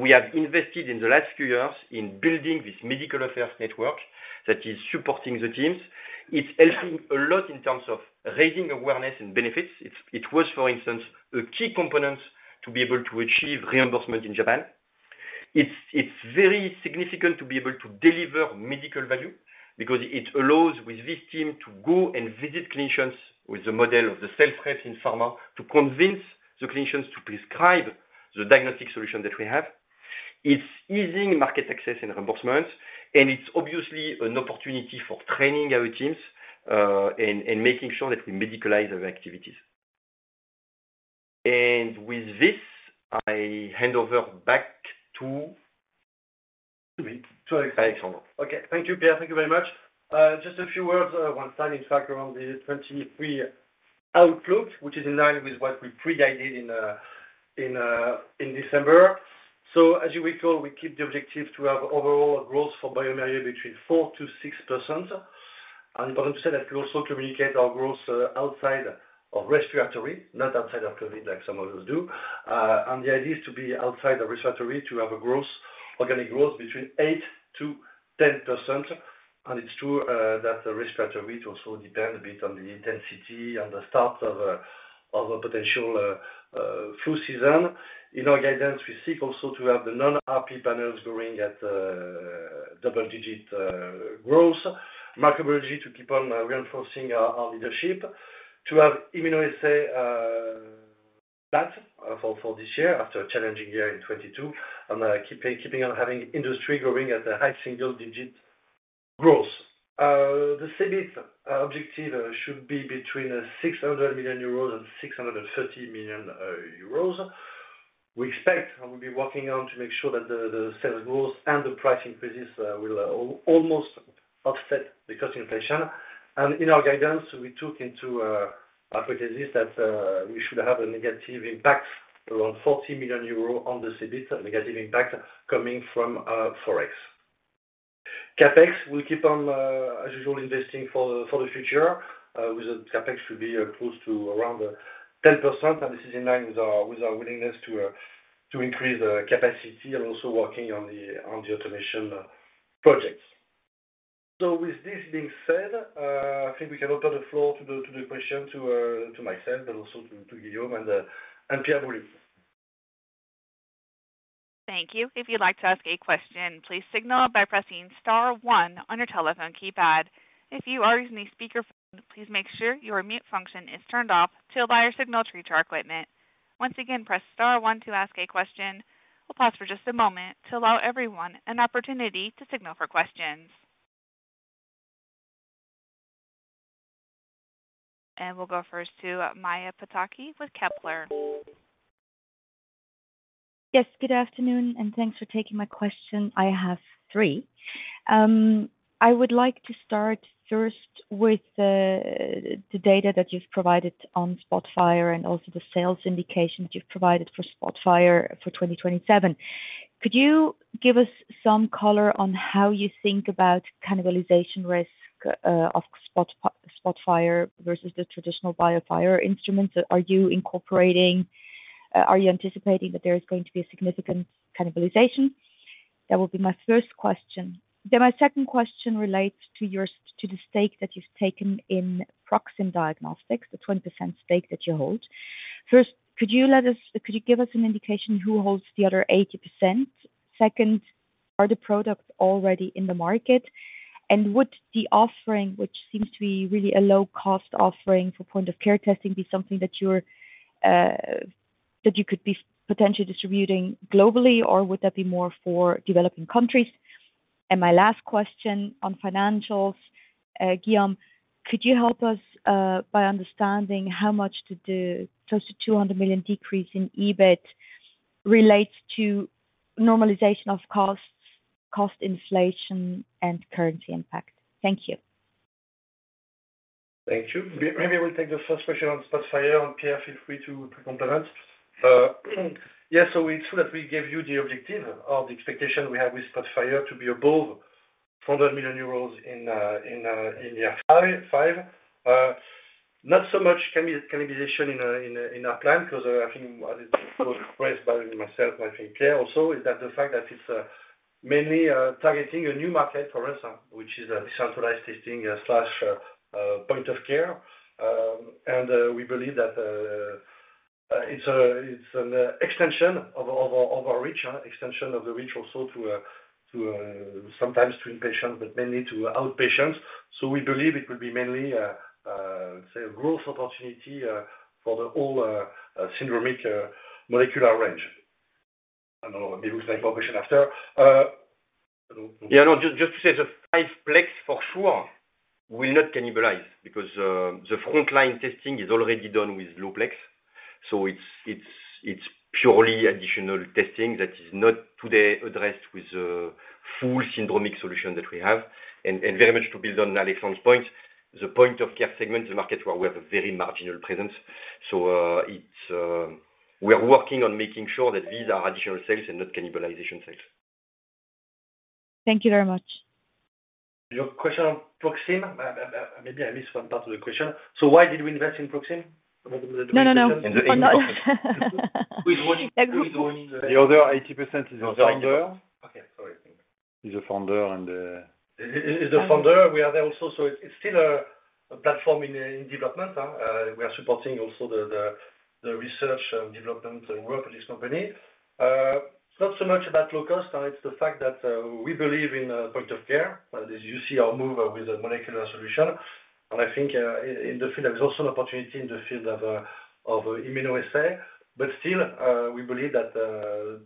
We have invested in the last few years in building this medical affairs network that is supporting the teams. It's helping a lot in terms of raising awareness and benefits. It was, for instance, a key component to be able to achieve reimbursement in Japan. It's very significant to be able to deliver medical value because it allows with this team to go and visit clinicians with the model of the sales rep in pharma, to convince the clinicians to prescribe the diagnostic solution that we have. It's easing market access and reimbursement, and it's obviously an opportunity for training our teams and making sure that we medicalize our activities. With this, I hand over back to- To me. Alexandre. Okay. Thank you, Pierre. Thank you very much. Just a few words, one slide, in fact, around the 2023 outlook, which is in line with what we previewed in December. As you recall, we keep the objective to have overall growth for bioMérieux between 4%-6%. It allows us also to communicate our growth outside of respiratory, not outside of COVID like some others do. The idea is to be outside the respiratory to have a growth, organic growth between 8%-10%. It's true that the respiratory also depends a bit on the intensity and the start of a potential flu season. In our guidance, we seek also to have the non-RP panels growing at double digit growth. Microbiology to keep on reinforcing our leadership. To have immunoassay flat for this year after a challenging year in 2022. Keeping on having industry growing at a high single digit growth. The CEBIT objective should be between 600 million euros and 630 million euros. We expect and we'll be working on to make sure that the sales growth and the price increases will almost offset the cost inflation. In our guidance, we took into our hypothesis that we should have a negative impact around 40 million euros on the CEBIT negative impact coming from forex. CapEx, we keep on as usual, investing for the future, with the CapEx to be close to around 10%. This is in line with our, with our willingness to increase capacity and also working on the, on the automation projects. With this being said, I think we can open the floor to the, to the question to myself, but also to Guillaume and Pierre Boulud. Thank you. If you'd like to ask a question, please signal by pressing star one on your telephone keypad. If you are using a speakerphone, please make sure your mute function is turned off till buyer signal to reach our equipment. Once again, press star one to ask a question. We'll pause for just a moment to allow everyone an opportunity to signal for questions. We'll go first to Maja Pataki with Kepler. Yes, good afternoon, and thanks for taking my question. I have three. I would like to start first with the data that you've provided on SPOTFIRE and also the sales indications you've provided for SPOTFIRE for 2027. Could you give us some color on how you think about cannibalization risk of SPOTFIRE versus the traditional BIOFIRE instruments? Are you anticipating that there is going to be a significant cannibalization? That will be my first question. My second question relates to the stake that you've taken in Proxim Diagnostics, the 20% stake that you hold. First, could you give us an indication who holds the other 80%? Second, are the products already in the market? Would the offering, which seems to be really a low-cost offering for point-of-care testing, be something that you're that you could be potentially distributing globally, or would that be more for developing countries? My last question on financials, Guillaume, could you help us by understanding how much the close to 200 million decrease in EBIT relates to normalization of costs, cost inflation, and currency impact? Thank you. Thank you. Maybe we'll take the first question on SPOTFIRE. Pierre, feel free to complement. Yes. It's true that we gave you the objective or the expectation we have with SPOTFIRE to be above 400 million euros in year five. Not so much cannibalization in our plan 'cause I think it was raised by myself and I think Pierre also, is that the fact that it's mainly targeting a new market for us, which is a decentralized testing slash point of care. We believe that it's an extension of our reach. Extension of the reach also to sometimes to inpatients, but mainly to outpatients. We believe it will be mainly, say a growth opportunity, for the whole, syndromic molecular range. I don't know. Maybe it's my obligation after. Yeah, no. Just to say the 5-plex for sure will not cannibalize because the frontline testing is already done with low plex. It's purely additional testing that is not today addressed with full syndromic solution that we have. Very much to build on Alexandre's point, the point of care segment is a market where we have a very marginal presence. We are working on making sure that these are additional sales and not cannibalization sales. Thank you very much. Your question on Proxim. Maybe I missed one part of the question. Why did we invest in Proxim? No, no. The other 80% is the founder. Okay. Sorry. He's a founder. It's a founder. We are there also. It's still a platform in development. We are supporting also the research and development work of this company. Not so much about low cost. It's the fact that we believe in point of care, as you see our move with a molecular solution. I think in the field, there is also an opportunity in the field of immunoassay. Still, we believe that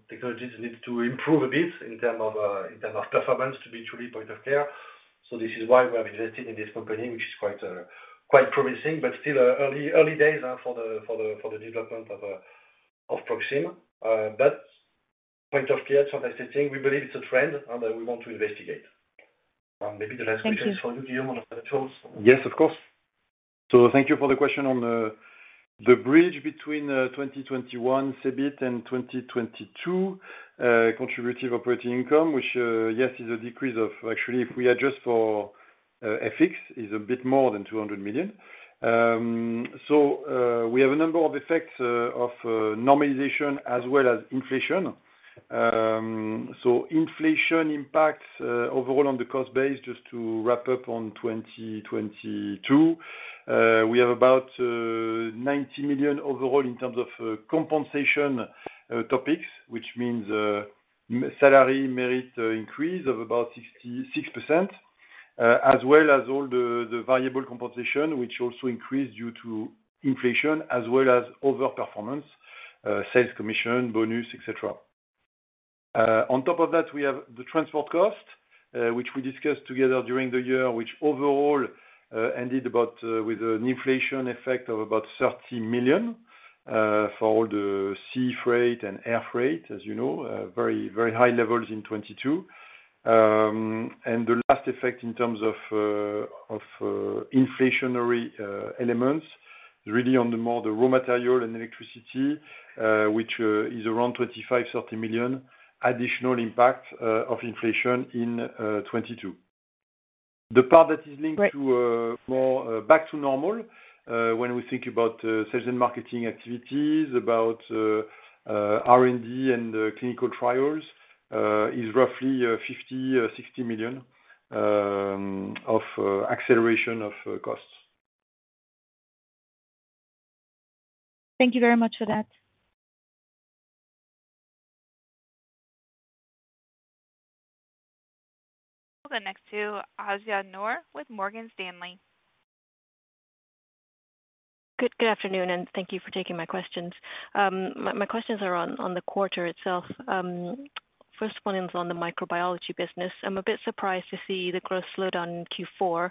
technology needs to improve a bit in term of in term of performance to be truly point of care. This is why we have invested in this company, which is quite promising, but still early days for the development of Proxim. Point-of-care testing, we believe it's a trend and that we want to investigate. Maybe the last question is for you, Guillaume, on controls. Yes, of course. Thank you for the question on the bridge between 2021 CEBIT and 2022 contributive operating income, which, yes, is a decrease of actually, if we adjust for FX, is a bit more than 200 million. We have a number of effects of normalization as well as inflation. Inflation impacts overall on the cost base just to wrap up on 2022. We have about 90 million overall in terms of compensation topics, which means salary merit increase of about 6.6%, as well as all the variable compensation, which also increased due to inflation as well as overperformance, sales commission, bonus, etc. On top of that, we have the transport cost, which we discussed together during the year, which overall, ended about, with an inflation effect of about 30 million, for the sea freight and air freight, as you know, very, very high levels in 2022. The last effect in terms of inflationary elements, really on the more the raw material and electricity, which is around 25 million-30 million additional impact, of inflation in 2022. The part that is linked to more back to normal, when we think about, sales and marketing activities, about, R&D and clinical trials is roughly 50 million or 60 million of acceleration of costs. Thank you very much for that. We'll go next to Aisyah Noor with Morgan Stanley. Good afternoon, and thank you for taking my questions. My questions are on the quarter itself. First one is on the microbiology business. I'm a bit surprised to see the growth slowdown in Q4,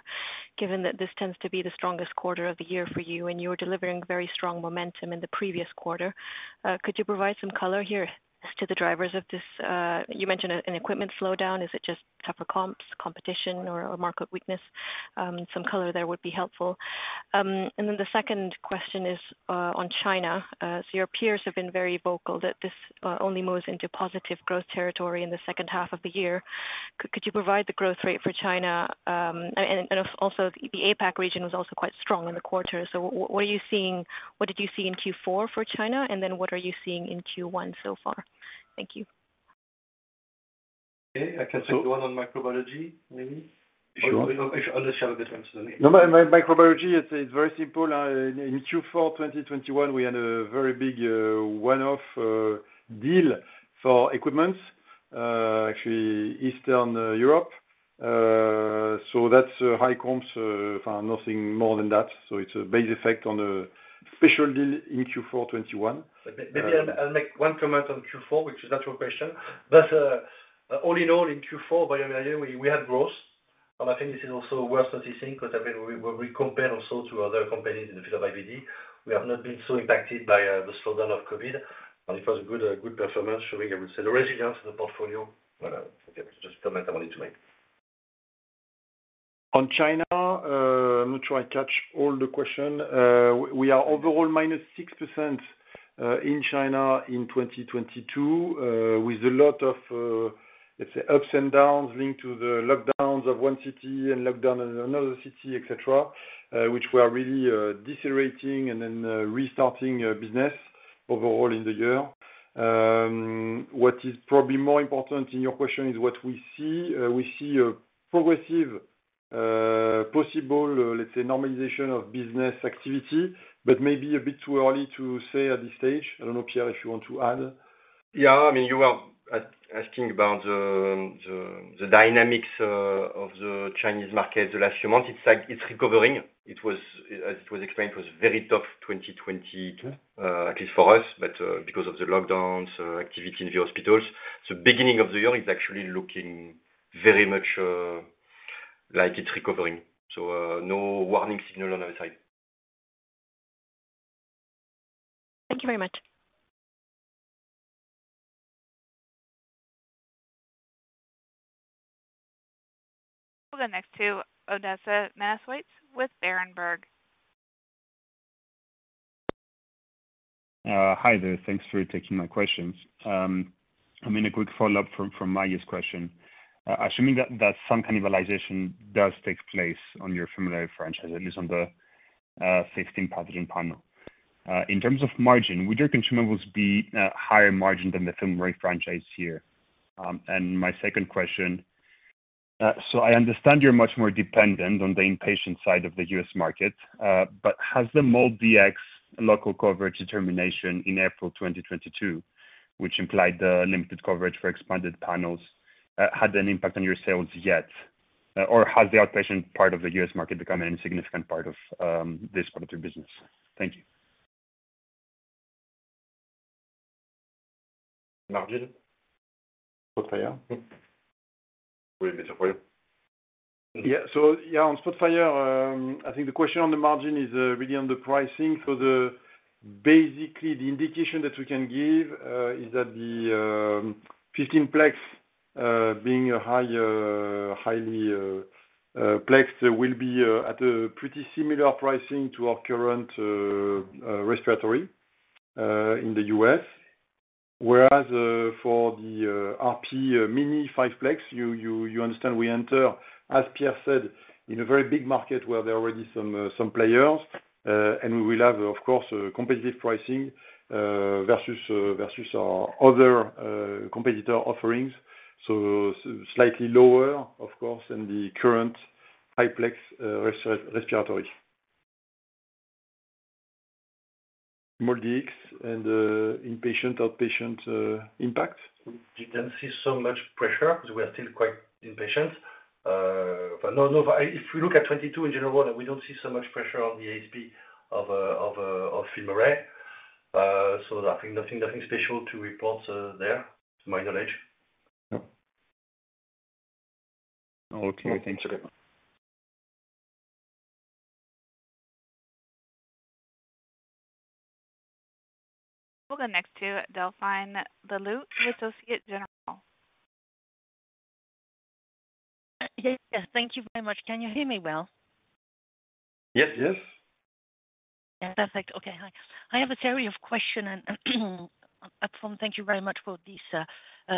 given that this tends to be the strongest quarter of the year for you and you were delivering very strong momentum in the previous quarter. Could you provide some color here as to the drivers of this? You mentioned an equipment slowdown. Is it just tougher comps, competition or market weakness? Some color there would be helpful. The second question is on China. Your peers have been very vocal that this only moves into positive growth territory in the second half of the year. Could you provide the growth rate for China? Also the APAC region was also quite strong in the quarter. What did you see in Q4 for China? What are you seeing in Q1 so far? Thank you. Okay. I can take the one on microbiology, maybe. Sure. I'll let Charles this one. Sorry. No, microbiology, it's very simple. In Q4 2021, we had a very big one-off deal for equipment, actually Eastern Europe. That's high comps. Nothing more than that. It's a base effect on a special deal in Q4 2021. Maybe I'll make one comment on Q4, which is not your question. All in all in Q4, bioMérieux we had growth. I think this is also worth noting, because, I mean, we, when we compare also to other companies in the field of IVD, we have not been so impacted by the slowdown of COVID, and it was a good performance showing, I would say, the resilience of the portfolio. Okay, just a comment I wanted to make. On China, I'm not sure I catch all the question. We are overall -6% in China in 2022, with a lot of, let's say, ups and downs linked to the lockdowns of one city and lockdown in another city, et cetera, which were really decelerating and then restarting business overall in the year. What is probably more important in your question is what we see. We see a progressive, possible, let's say, normalization of business activity, but maybe a bit too early to say at this stage. I don't know, Pierre, if you want to add? Yeah. I mean, you are asking about the dynamics of the Chinese market the last few months. It's like it's recovering. It was, as it was explained, it was very tough 2022, at least for us. Because of the lockdowns, activity in the hospitals. Beginning of the year is actually looking very much like it's recovering. No warning signal on our side. Thank you very much. We'll go next to Odysseas Manesiotis with Berenberg. Hi there. Thanks for taking my questions. I mean, a quick follow-up from Maja's question. Assuming that some cannibalization does take place on your FilmArray franchise, at least on the 16-pathogen panel. In terms of margin, would your consumables be higher margin than the FilmArray franchise here? My second question. I understand you're much more dependent on the inpatient side of the U.S. market, but has the MolDX local coverage determination in April 2022, which implied the limited coverage for expanded panels, had an impact on your sales yet? Or has the outpatient part of the U.S. market become an insignificant part of this part of your business? Thank you. Margin? SPOTFIRE? Will be better for you. Yeah. On SPOTFIRE, I think the question on the margin is really on the pricing. The indication that we can give is that the 15-plex, being a highly plex, will be at a pretty similar pricing to our current respiratory in the U.S. Whereas, for the RP Mini 5-plex, you understand we enter, as Pierre said, in a very big market where there are already some players. And we will have, of course, competitive pricing versus our other competitor offerings. Slightly lower, of course, than the current high plex respiratory. MolDX and inpatient, outpatient impact. We didn't see so much pressure because we are still quite impatient. No. If we look at 2022 in general, we don't see so much pressure on the ASP of FilmArray. Nothing special to report there, to my knowledge. Okay. Thank you. We'll go next to Delphine Le Louet with Société Générale. Yes. Thank you very much. Can you hear me well? Yes. Yes. Yeah. Perfect. Okay. Hi. I have a series of question and up front, thank you very much for this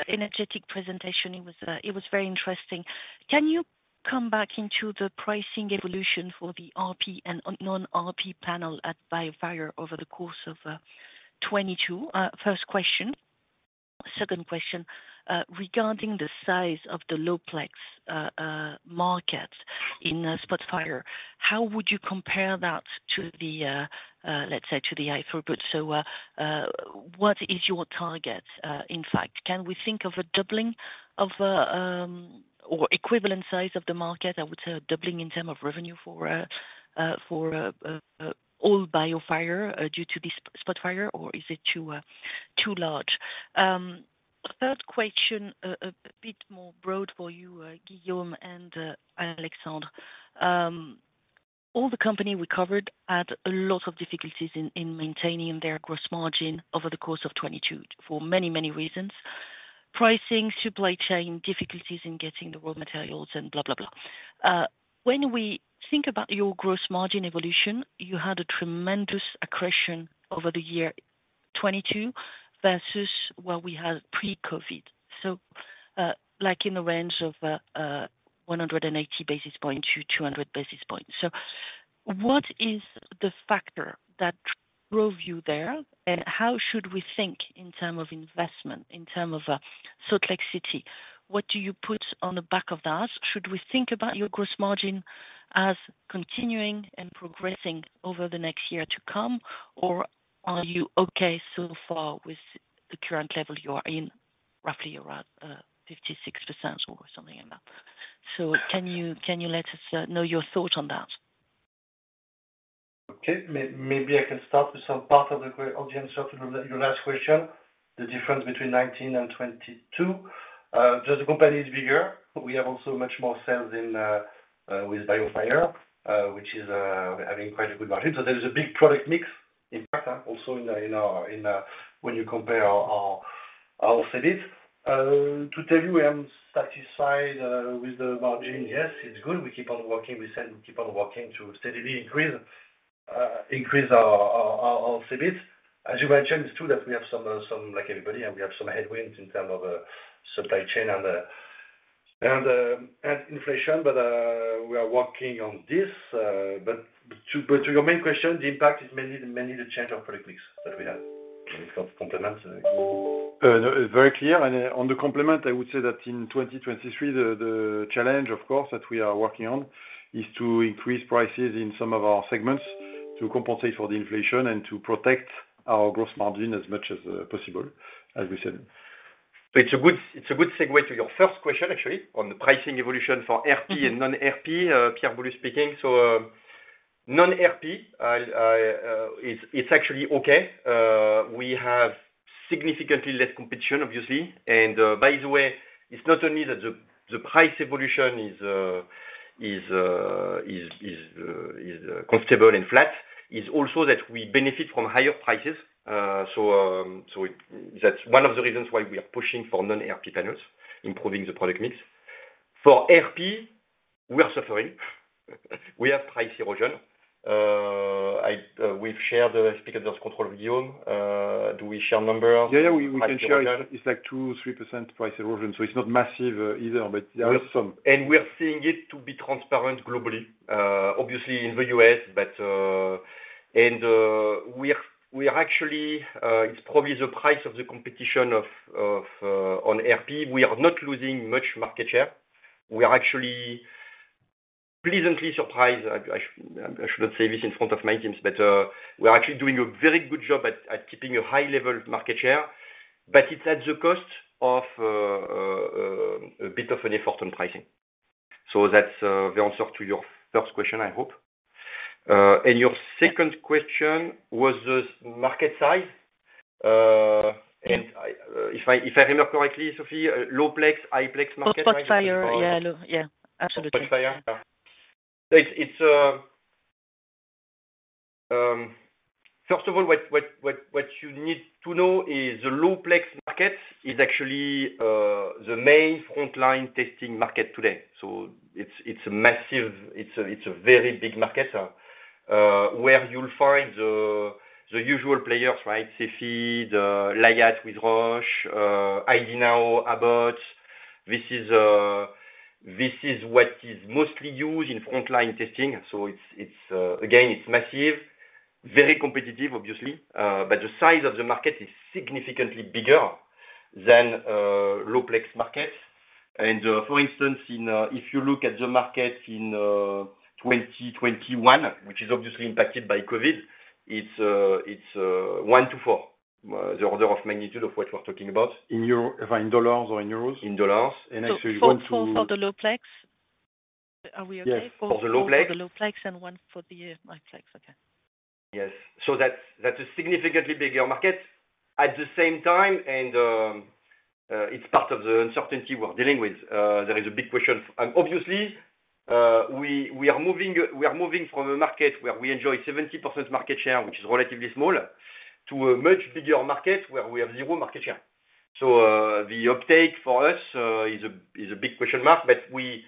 energetic presentation. It was very interesting. Can you come back into the pricing evolution for the RP and non-RP panel at bioMérieux over the course of 2022? First question. Second question, regarding the size of the low plex market in BIOFIRE SPOTFIRE. How would you compare that to the let's say, to the High-Throughput? What is your target? In fact, can we think of a doubling of or equivalent size of the market? I would say a doubling in term of revenue for all BIOFIRE due to this BIOFIRE SPOTFIRE, or is it too large? Third question, a bit more broad for you, Guillaume and Alexandre. All the company we covered had a lot of difficulties in maintaining their gross margin over the course of 2022 for many, many reasons. Pricing, supply chain, difficulties in getting the raw materials and blah, blah. When we think about your gross margin evolution, you had a tremendous accretion over the year 2022 versus what we had pre-COVID. Like in the range of 180 basis points to 200 basis points. What is the factor that drove you there? How should we think in term of investment, in term of Salt Lake City? What do you put on the back of that? Should we think about your gross margin as continuing and progressing over the next year to come? Or are you okay so far with the current level you are in, roughly around 56% or something like that. Can you let us know your thought on that? Okay. Maybe I can start with some part of the answer to your last question, the difference between 2019 and 2022. Just the company is bigger. We have also much more sales in with BIOFIRE, which is having quite a good margin. There is a big product mix, in fact, also in when you compare our sales. To tell you I am satisfied with the margin, yes, it's good. We keep on working. We said we keep on working to steadily increase our sales. As you mentioned, it's true that we have some like everybody, and we have some headwinds in terms of supply chain and and inflation, we are working on this. To your main question, the impact is mainly the change of product mix that we have. Any sort of compliments, Alexandre? No, it's very clear. On the compliment, I would say that in 2023, the challenge of course, that we are working on is to increase prices in some of our segments to compensate for the inflation and to protect our gross margin as much as possible, as we said. It's a good, it's a good segue to your first question, actually, on the pricing evolution for RP and non-RP, Pierre Boulud speaking. Non-RP, I'll, it's actually okay. We have significantly less competition, obviously. By the way, it's not only that the price evolution is constable and flat. It's also that we benefit from higher prices. So that's one of the reasons why we are pushing for non-RP panels, improving the product mix. For RP, we are suffering. We have price erosion. I, we've shared the speaker control with Guillaume. Do we share numbers? Yeah. We can share. It's like 2%-3% price erosion, so it's not massive either, but there are some. We are seeing it to be transparent globally, obviously in the U.S. We are actually, it's probably the price of the competition of, on RP. We are not losing much market share. We are actually pleasantly surprised. I should not say this in front of my teams, but we are actually doing a very good job at keeping a high level of market share. It's at the cost of, a bit of an effort on pricing. That's, the answer to your first question, I hope. Your second question was the market size. I, if I, if I remember correctly, Sophie, low plex, high plex market, right? SPOTFIRE. Yeah. Yeah, absolutely. SPOTFIRE. Yeah. It's, first of all, what you need to know is the low plex market is actually the main frontline testing market today. It's a massive, it's a very big market, where you'll find the usual players, right? Cepheid, the cobas Liat with Roche, ID NOW, Abbott. This is what is mostly used in frontline testing. It's again, it's massive. Very competitive, obviously. The size of the market is significantly bigger than low plex market. For instance, if you look at the market in 2021, which is obviously impacted by COVID, it's 1 to 4 the order of magnitude of what we're talking about. In dollars or in euros? In dollars. Actually if you want to- 4 for the low plex. Are we okay? Yes. For the low plex. Four for the low plex and one for the high plex. Okay. Yes. That's a significantly bigger market at the same time, and it's part of the uncertainty we're dealing with. There is a big question. Obviously, we are moving from a market where we enjoy 70% market share, which is relatively small, to a much bigger market where we have zero market share. The uptake for us is a big question mark. We,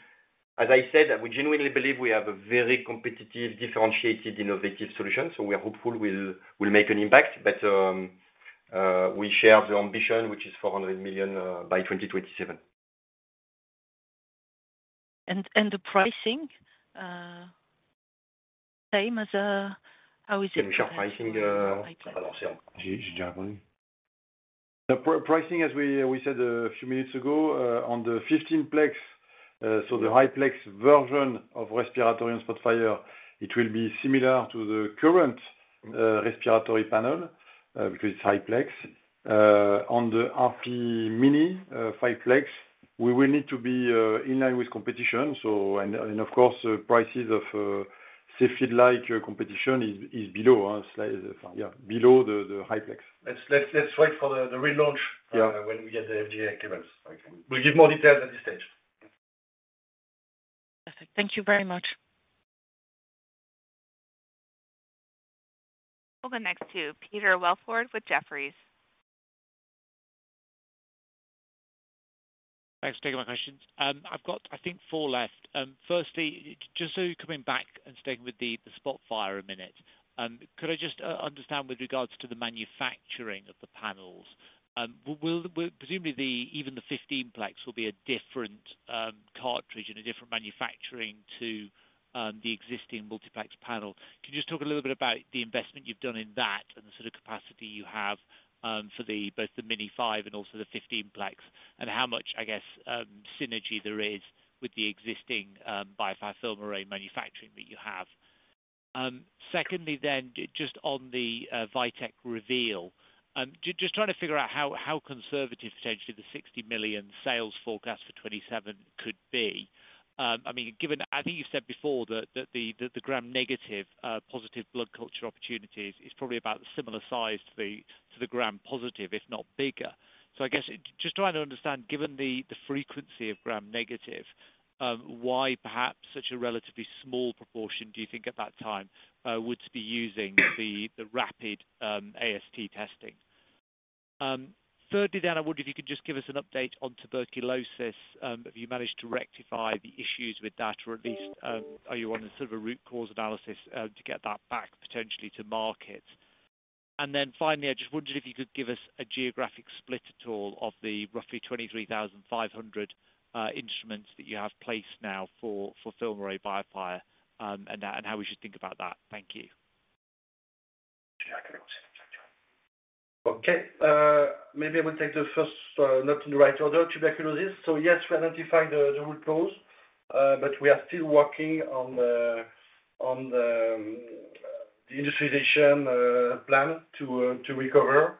as I said, we genuinely believe we have a very competitive, differentiated, innovative solution. We are hopeful we'll make an impact. We share the ambition, which is 400 million by 2027. The pricing, same as how is it? The pricing. The pricing, as we said a few minutes ago, on the 15-plex, so the high plex version of respiratory and SPOTFIRE, it will be similar to the current respiratory panel, which is high plex. On the RP Mini, 5-plex, we will need to be in line with competition. And of course, the prices of Cepheid like competition is below the high plex. Let's wait for the relaunch. Yeah. When we get the FDA clearance. We'll give more details at this stage. Thank you very much. We'll go next to Peter Welford with Jefferies. Thanks for taking my questions. I've got, I think, four left. Firstly, just so coming back and staying with the BIOFIRE SPOTFIRE a minute, could I just understand with regards to the manufacturing of the panels, presumably, even the 15-plex will be a different cartridge and a different manufacturing to the existing multiplex panel. Can you just talk a little bit about the investment you've done in that and the sort of capacity you have for both the Mini 5 and also the 15-plex, and how much, I guess, synergy there is with the existing BIOFIRE FILMARRAY manufacturing that you have? Secondly, just on the VITEK REVEAL, trying to figure out how conservative potentially the 60 million sales forecast for 2027 could be. I mean, I think you said before that the gram-negative positive blood culture opportunities is probably about the similar size to the gram-positive, if not bigger. I guess, just trying to understand, given the frequency of gram-negative, why perhaps such a relatively small proportion, do you think at that time, would be using the rapid AST testing? Thirdly, I wonder if you could just give us an update on tuberculosis. Have you managed to rectify the issues with that, or at least, are you on a sort of a root cause analysis to get that back potentially to market? Finally, I just wondered if you could give us a geographic split at all of the roughly 23,500 instruments that you have placed now for FILMARRAY BIOFIRE, and how we should think about that. Thank you. Okay. Maybe I will take the first, not in the right order: tuberculosis. Yes, we identified the root cause, but we are still working on the industrialization plan to recover.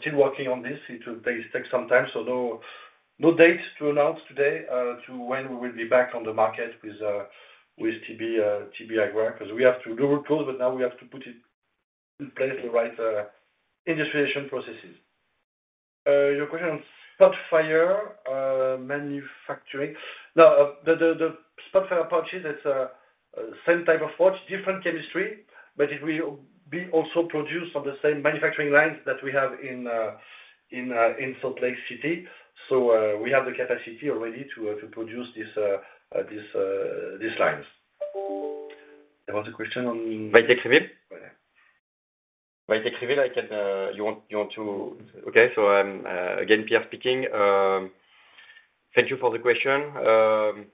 Still working on this. It will take some time. No, no date to announce today, to when we will be back on the market with TB work, 'cause we have to do root cause, but now we have to put it in place the right industrialization processes. Your question on SPOTFIRE manufacturing. The SPOTFIRE approaches, it's same type of approach, different chemistry, but it will be also produced on the same manufacturing lines that we have in Salt Lake City. We have the capacity already to produce this, these lines. There was a question. VITEK REVEAL. Yeah. VITEK REVEAL, I can. You want to? Okay. Again, Pierre speaking. Thank you for the question.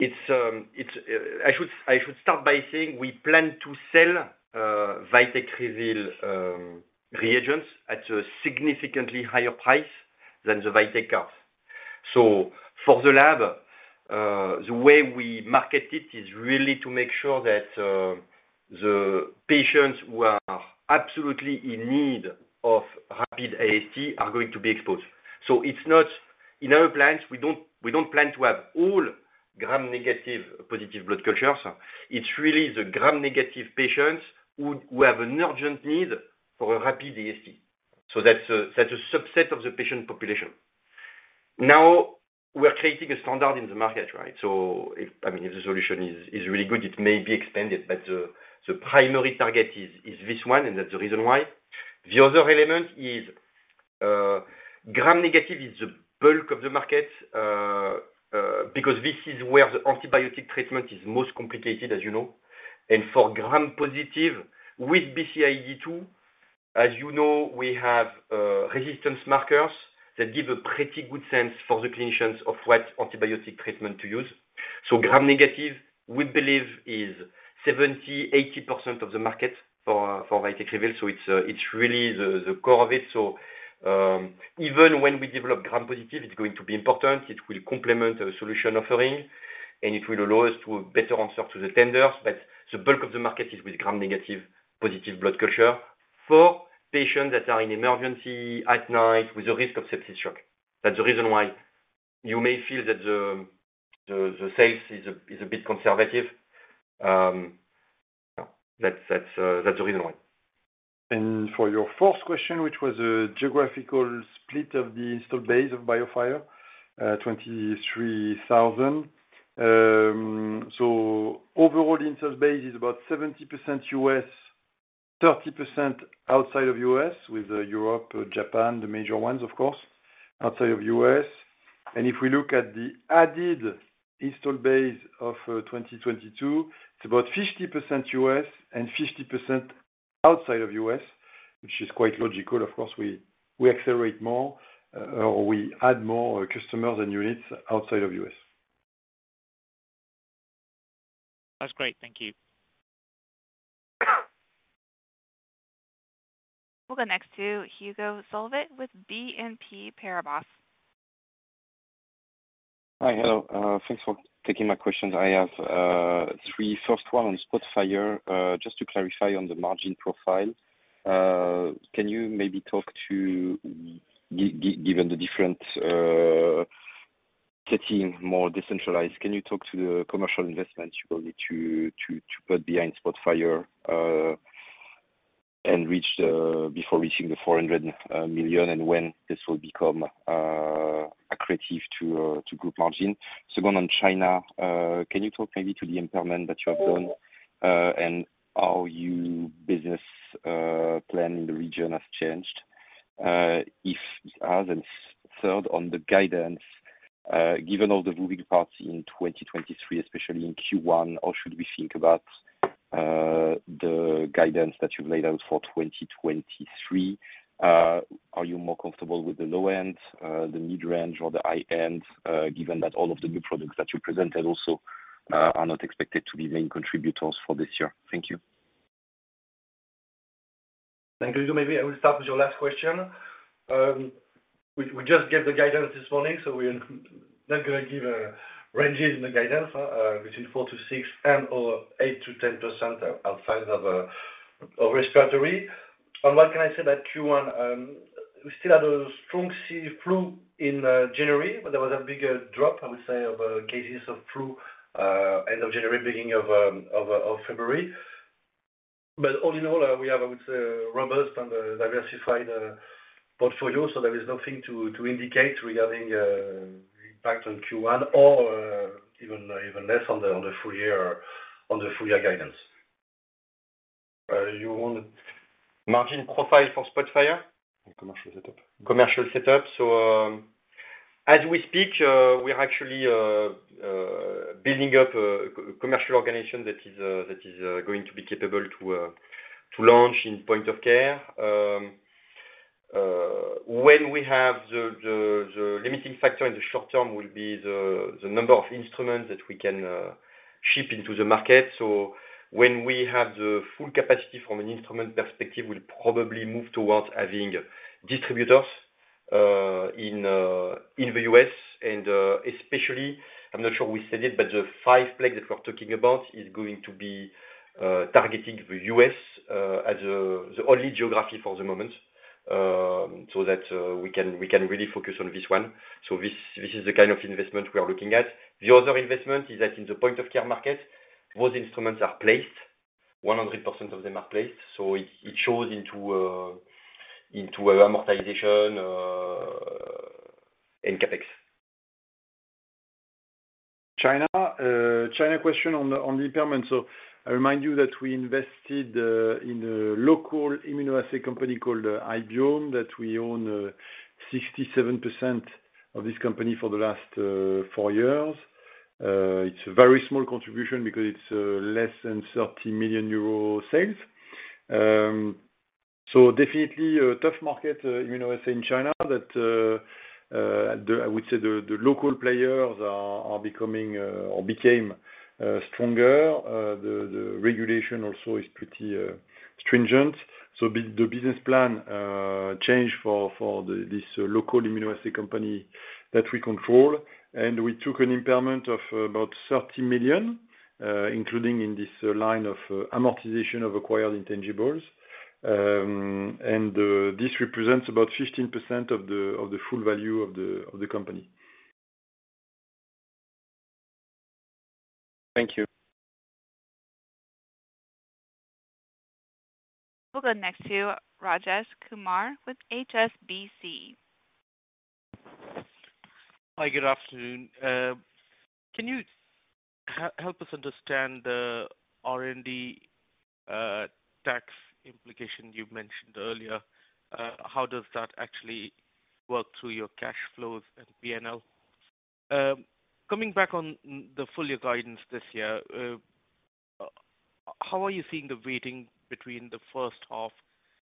It's. I should start by saying we plan to sell VITEK REVEAL reagents at a significantly higher price than the VITEK cards. For the lab, the way we market it is really to make sure that the patients who are absolutely in need of rapid AST are going to be exposed. It's not. In our plans, we don't plan to have all gram-negative positive blood cultures. It's really the gram-negative patients who have an urgent need for a rapid AST. That's a subset of the patient population. We are creating a standard in the market, right? I mean, if the solution is really good, it may be expanded. The primary target is this one, and that's the reason why. The other element is gram-negative is the bulk of the market because this is where the antibiotic treatment is most complicated, as you know. For gram-positive with BCID2, as you know, we have resistance markers that give a pretty good sense for the clinicians of what antibiotic treatment to use. Gram-negative, we believe, is 70%-80% of the market for VITEK REVEAL. It's really the core of it. Even when we develop gram-positive, it's going to be important. It will complement the solution offering. It will allow us to better answer to the tenders. The bulk of the market is with gram-negative positive blood culture for patients that are in emergency at night with a risk of sepsis shock. That's the reason why you may feel that the sales is a bit conservative. That's the reason why. For your fourth question, which was a geographical split of the installed base of BIOFIRE, 23,000. Overall the installed base is about 70% U.S., 30% outside of U.S., with Europe, Japan, the major ones, of course, outside of U.S. If we look at the added installed base of 2022, it's about 50% U.S. and 50% outside of U.S. Which is quite logical. Of course, we accelerate more or we add more customers and units outside of U.S. That's great. Thank you. We'll go next to Hugo Solvet with BNP Paribas. Hi. Hello. Thanks for taking my questions. I have 3. First one on SPOTFIRE. Just to clarify on the margin profile, can you maybe talk to given the different setting more decentralized, can you talk to the commercial investment you will need to put behind SPOTFIRE, and before reaching 400 million and when this will become accretive to group margin? Second, on China, can you talk maybe to the impairment that you have done, and how your business plan in the region has changed, Third on the guidance, given all the moving parts in 2023, especially in Q1, how should we think about the guidance that you've laid out for 2023? Are you more comfortable with the low end, the mid-range or the high end, given that all of the new products that you presented also, are not expected to be main contributors for this year? Thank you. Thank you. Maybe I will start with your last question. We just gave the guidance this morning, we're not gonna give ranges in the guidance between 4%-6% and/or 8%-10% outside of respiratory. What can I say about Q1? We still had a strong flu in January, there was a bigger drop, I would say, of cases of flu, end of January, beginning of February. All in all, we have, I would say a robust and a diversified portfolio, there is nothing to indicate regarding impact on Q1 or even less on the full year guidance. You want margin profile for BIOFIRE SPOTFIRE? Commercial setup. Commercial setup. As we speak, we are actually building up a commercial organization that is going to be capable to launch in point of care. When we have the limiting factor in the short term will be the number of instruments that we can ship into the market. When we have the full capacity from an instrument perspective, we'll probably move towards having distributors in the U.S. and especially, I'm not sure we said it, but the 5-plex that we're talking about is going to be targeting the U.S. as the only geography for the moment, so that we can really focus on this one. This is the kind of investment we are looking at. The other investment is that in the point of care market, those instruments are placed, 100% of them are placed. It shows into amortization and CapEx. China. China question on the impairment. I remind you that we invested in a local immunoassay company called Hybiome, that we own 67% of this company for the last four years. It's a very small contribution because it's less than 30 million euro sales. Definitely a tough market, you know, as in China that the local players are becoming or became stronger. The regulation also is pretty stringent. The business plan changed for the this local immunoassay company that we control, and we took an impairment of about 30 million, including in this line of amortization of acquired intangibles, and this represents about 15% of the full value of the company. Thank you. We'll go next to Rajesh Kumar with HSBC. Hi, good afternoon. Can you help us understand the R&D tax implication you mentioned earlier? How does that actually work through your cash flows and P&L? Coming back on the full year guidance this year, how are you seeing the weighting between the first half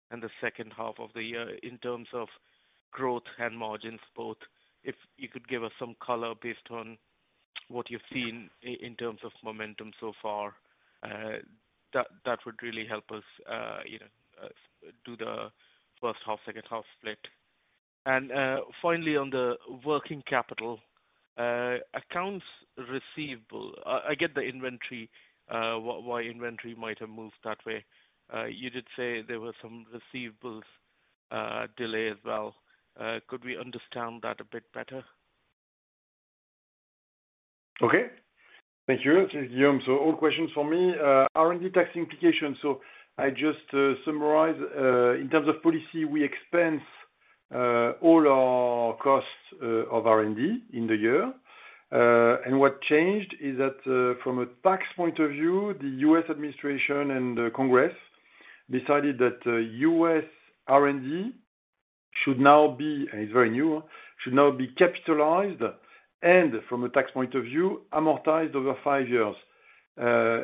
and the second half of the year in terms of growth and margins both? If you could give us some color based on what you've seen in terms of momentum so far, that would really help us, you know, do the first half, second half split. Finally on the working capital, accounts receivable. I get the inventory, why inventory might have moved that way. You did say there were some receivables delay as well. Could we understand that a bit better? Okay. Thank you. This is Guillaume. All questions for me. R&D tax implication. I just summarize. In terms of policy, we expense all our costs of R&D in the year. What changed is that from a tax point of view, the U.S. administration and Congress decided that U.S. R&D should now be, and it's very new, should now be capitalized, and from a tax point of view, amortized over five years.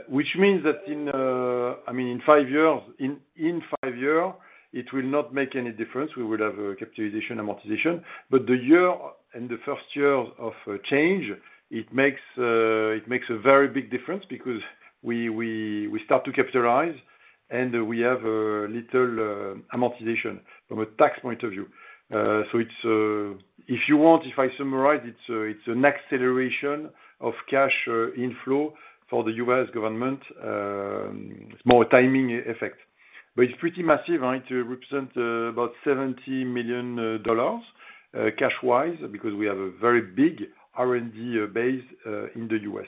Which means that I mean, in five years, in five year, it will not make any difference. We would have a capitalization amortization. The year in the first year of change, it makes a very big difference because we start to capitalize, and we have a little amortization from a tax point of view. It's... If you want, if I summarize, it's an acceleration of cash inflow for the U.S. government, it's more a timing effect. It's pretty massive, right? To represent about $70 million cash-wise, because we have a very big R&D base in the U.S.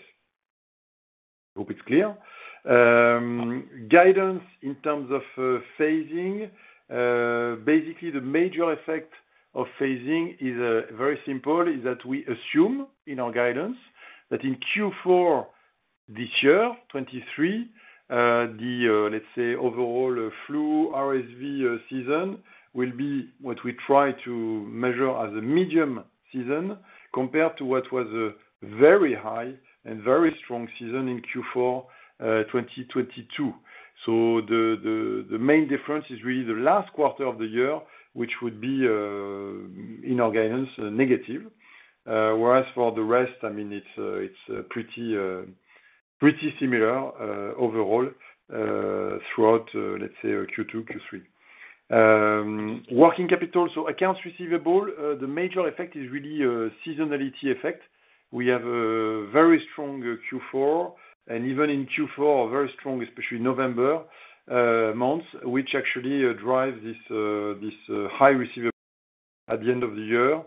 Hope it's clear. Guidance in terms of phasing. Basically, the major effect of phasing is very simple, is that we assume in our guidance that in Q4 this year, 2023, the let's say overall flu RSV season will be what we try to measure as a medium season compared to what was a very high and very strong season in Q4 2022. The main difference is really the last quarter of the year, which would be in our guidance negative. Whereas for the rest, I mean, it's pretty similar overall throughout, let's say Q2, Q3. Working capital. Accounts receivable, the major effect is really a seasonality effect. We have a very strong Q4, and even in Q4, very strong, especially November months, which actually drive this high receivable at the end of the year.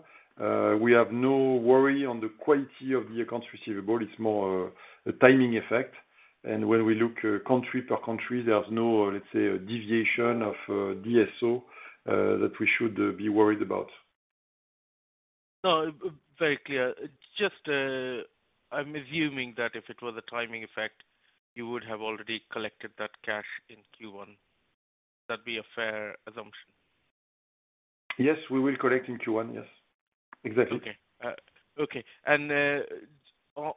We have no worry on the quality of the accounts receivable. It's more a timing effect. When we look country per country, there's no, let's say, a deviation of DSO that we should be worried about. No, very clear. Just, I'm assuming that if it was a timing effect, you would have already collected that cash in Q1. That'd be a fair assumption? Yes, we will collect in Q1. Yes. Exactly. Okay. Okay.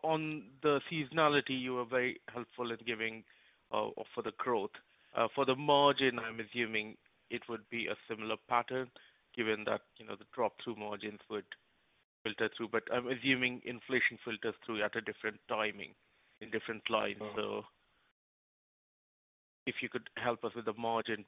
On the seasonality, you were very helpful at giving for the growth. For the margin, I'm assuming it would be a similar pattern, given that, you know, the drop through margins would filter through. I'm assuming inflation filters through at a different timing in different lines. If you could help us with the margin,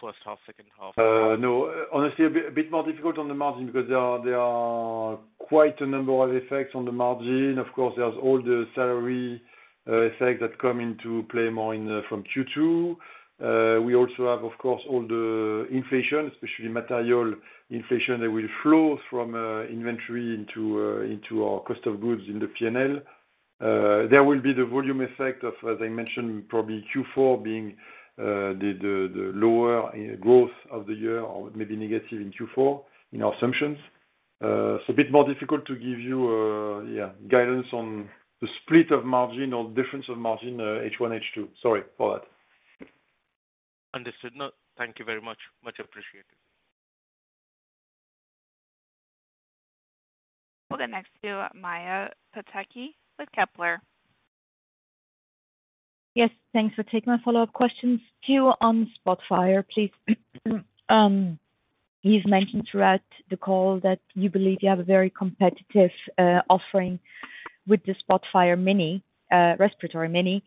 first half, second half. No. Honestly, a bit more difficult on the margin because there are quite a number of effects on the margin. There's all the salary effect that come into play more in from Q2. We also have, of course, all the inflation, especially material inflation, that will flow from inventory into our cost of goods in the P&L. There will be the volume effect of, as I mentioned, probably Q4 being the lower growth of the year or maybe negative in Q4 in our assumptions. It's a bit more difficult to give you guidance on the split of margin or difference of margin, H1, H2. Sorry for that. Understood. No, thank you very much. Much appreciated. We'll get next to Maja Pataki with Kepler. Yes, thanks for taking my follow-up questions. Two on SPOTFIRE, please. You've mentioned throughout the call that you believe you have a very competitive offering with the SPOTFIRE Mini, Respiratory Mini,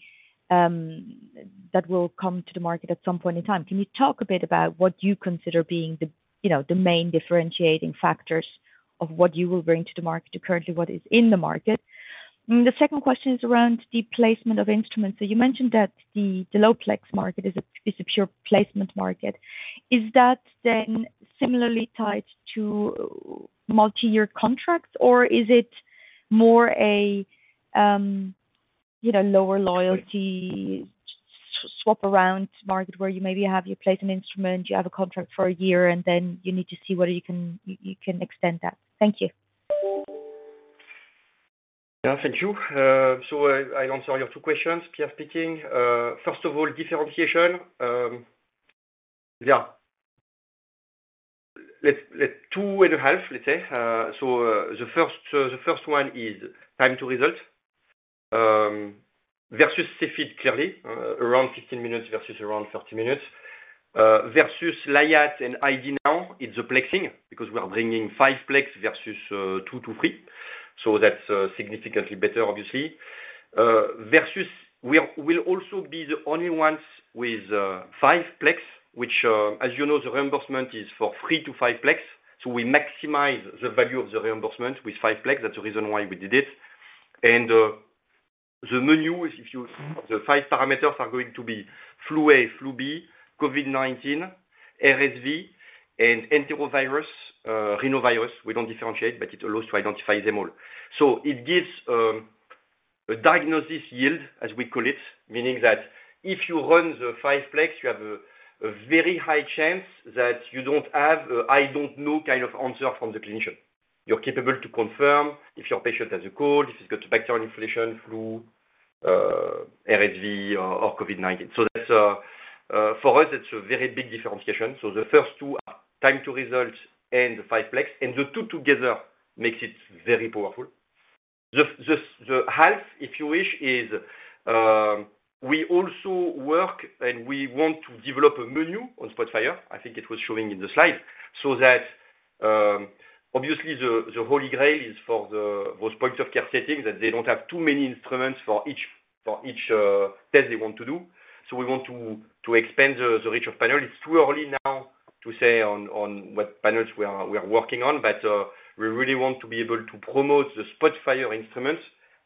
that will come to the market at some point in time. Can you talk a bit about what you consider being the, you know, the main differentiating factors of what you will bring to the market compared to what is in the market? The second question is around the placement of instruments. You mentioned that the low plex market is a, is a pure placement market. Is that then similarly tied to multi-year contracts, or is it more a, you know, lower loyalty swap around market where you maybe have, you place an instrument, you have a contract for a year, and then you need to see whether you can extend that? Thank you. Yeah, thank you. I'll answer your two questions. Pierre speaking. First of all, differentiation. Yeah, it's two and a half, let's say. The first one is time-to-result versus Cepheid, clearly, around 15 minutes versus around 30 minutes. Versus Liat and ID NOW, it's a plexing because we are bringing 5-plex versus 2-plex to 3-plex. That's significantly better, obviously. Versus we'll also be the only ones with 5-plex, which, as you know, the reimbursement is for 3-plex to 5-plex. We maximize the value of the reimbursement with 5-plex. That's the reason why we did it. The menu, the five parameters are going to be flu A, flu B, COVID-19, RSV, and enterovirus, rhinovirus. We don't differentiate, but it allows to identify them all. It gives a diagnosis yield, as we call it, meaning that if you run the 5-plex, you have a very high chance that you don't have a, "I don't know," kind of answer from the clinician. You're capable to confirm if your patient has a cold, if he's got a bacterial infection, flu, RSV or COVID-19. That's for us, it's a very big differentiation. The first two are time-to-result and 5-plex, and the 2 together makes it very powerful. The, the half, if you wish, is, we also work and we want to develop a menu on SPOTFIRE. I think it was showing in the slide. That, obviously the holy grail is for those points-of-care settings, that they don't have too many instruments for each test they want to do. We want to expand the reach of panel. It's too early now to say on what panels we are working on. We really want to be able to promote the BIOFIRE SPOTFIRE instruments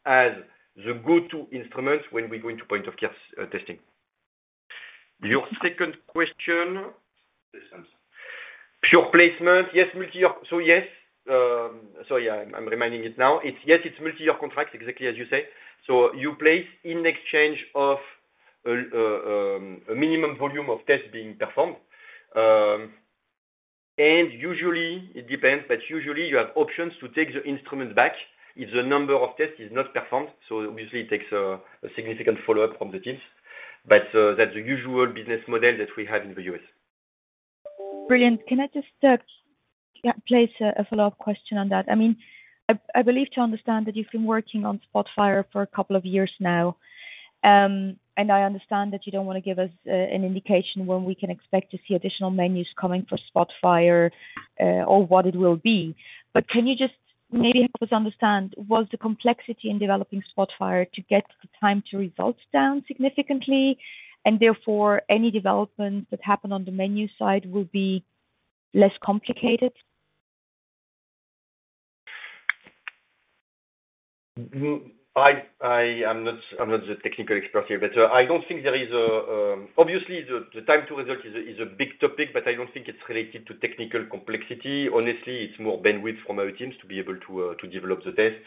as the go-to instruments when we go into point-of-care testing. Your second question. Pure placement. Yes, multi-year. Yes. Yeah, I'm reminding it now. Yes, it's multi-year contract, exactly as you say. You place in exchange of a minimum volume of tests being performed. Usually it depends, but usually you have options to take the instrument back if the number of tests is not performed. Obviously it takes a significant follow-up from the teams. That's the usual business model that we have in the U.S. Brilliant. Can I just place a follow-up question on that? I mean, I believe to understand that you've been working on SPOTFIRE for a couple of years now. I understand that you don't wanna give us an indication when we can expect to see additional menus coming for SPOTFIRE, or what it will be. Can you just maybe help us understand, was the complexity in developing SPOTFIRE to get the time-to-results down significantly and therefore any developments that happen on the menu side will be less complicated? I am not the technical expert here, but I don't think there is a... Obviously, the time-to-result is a big topic, but I don't think it's related to technical complexity. Honestly, it's more bandwidth from our teams to be able to develop the test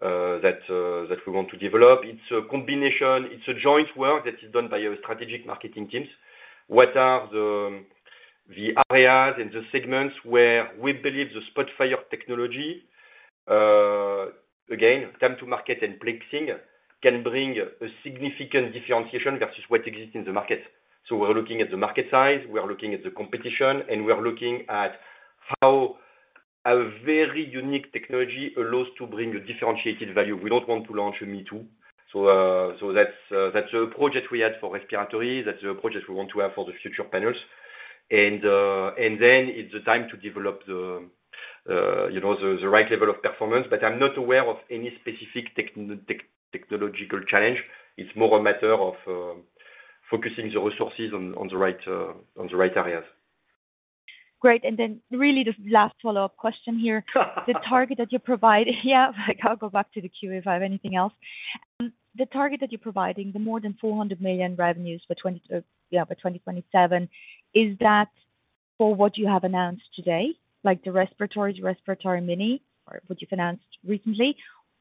that we want to develop. It's a combination. It's a joint work that is done by our strategic marketing teams. What are the areas and the segments where we believe the BIOFIRE SPOTFIRE technology, again, time to market and plexing can bring a significant differentiation versus what exists in the market. We're looking at the market size, we are looking at the competition, and we are looking at how a very unique technology allows to bring a differentiated value. We don't want to launch a me too. That's a project we had for respiratory. That's a project we want to have for the future panels. Then it's the time to develop the, you know, the right level of performance. I'm not aware of any specific technological challenge. It's more a matter of focusing the resources on the right areas. Great. Really the last follow-up question here. The target that you provide. Yeah. I'll go back to the queue if I have anything else. The target that you're providing, the more than 400 million revenues by 2027, is that for what you have announced today, like the Respiratory Mini or what you've announced recently?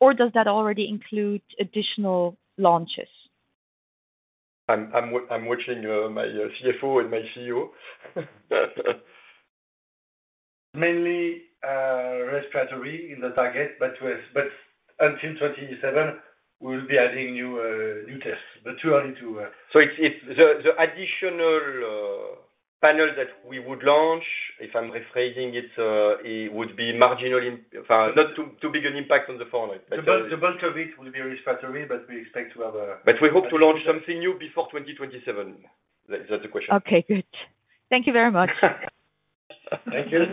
Or does that already include additional launches? I'm watching, my CFO and my CEO. Mainly, respiratory in the target, but until 2027, we'll be adding new tests. Too early to. It's the additional panels that we would launch, if I'm rephrasing it would be marginally not too big an impact on the phone. The bulk of it will be respiratory, but we expect to have. We hope to launch something new before 2027. Is that the question? Okay, good. Thank you very much. Thank you.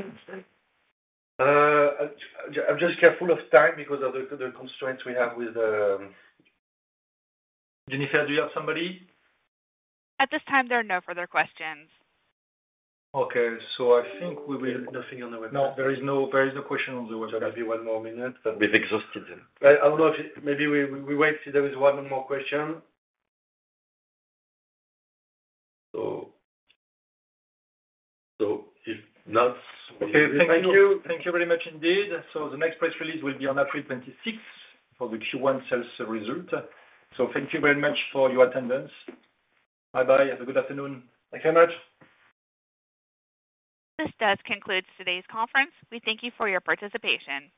I'm just careful of time because of the constraints we have with, Jennifer, do you have somebody? At this time, there are no further questions. Okay. I think we will-. Nothing on the web. No, there is no question on the web. There may be one more minute. We've exhausted them. I don't know if maybe we wait, see if there is one more question. Okay. Thank you. Thank you very much indeed. The next press release will be on April 26th for the Q1 sales result. Thank you very much for your attendance. Bye-bye. Have a good afternoon. Thanks very much. This does conclude today's conference. We thank you for your participation.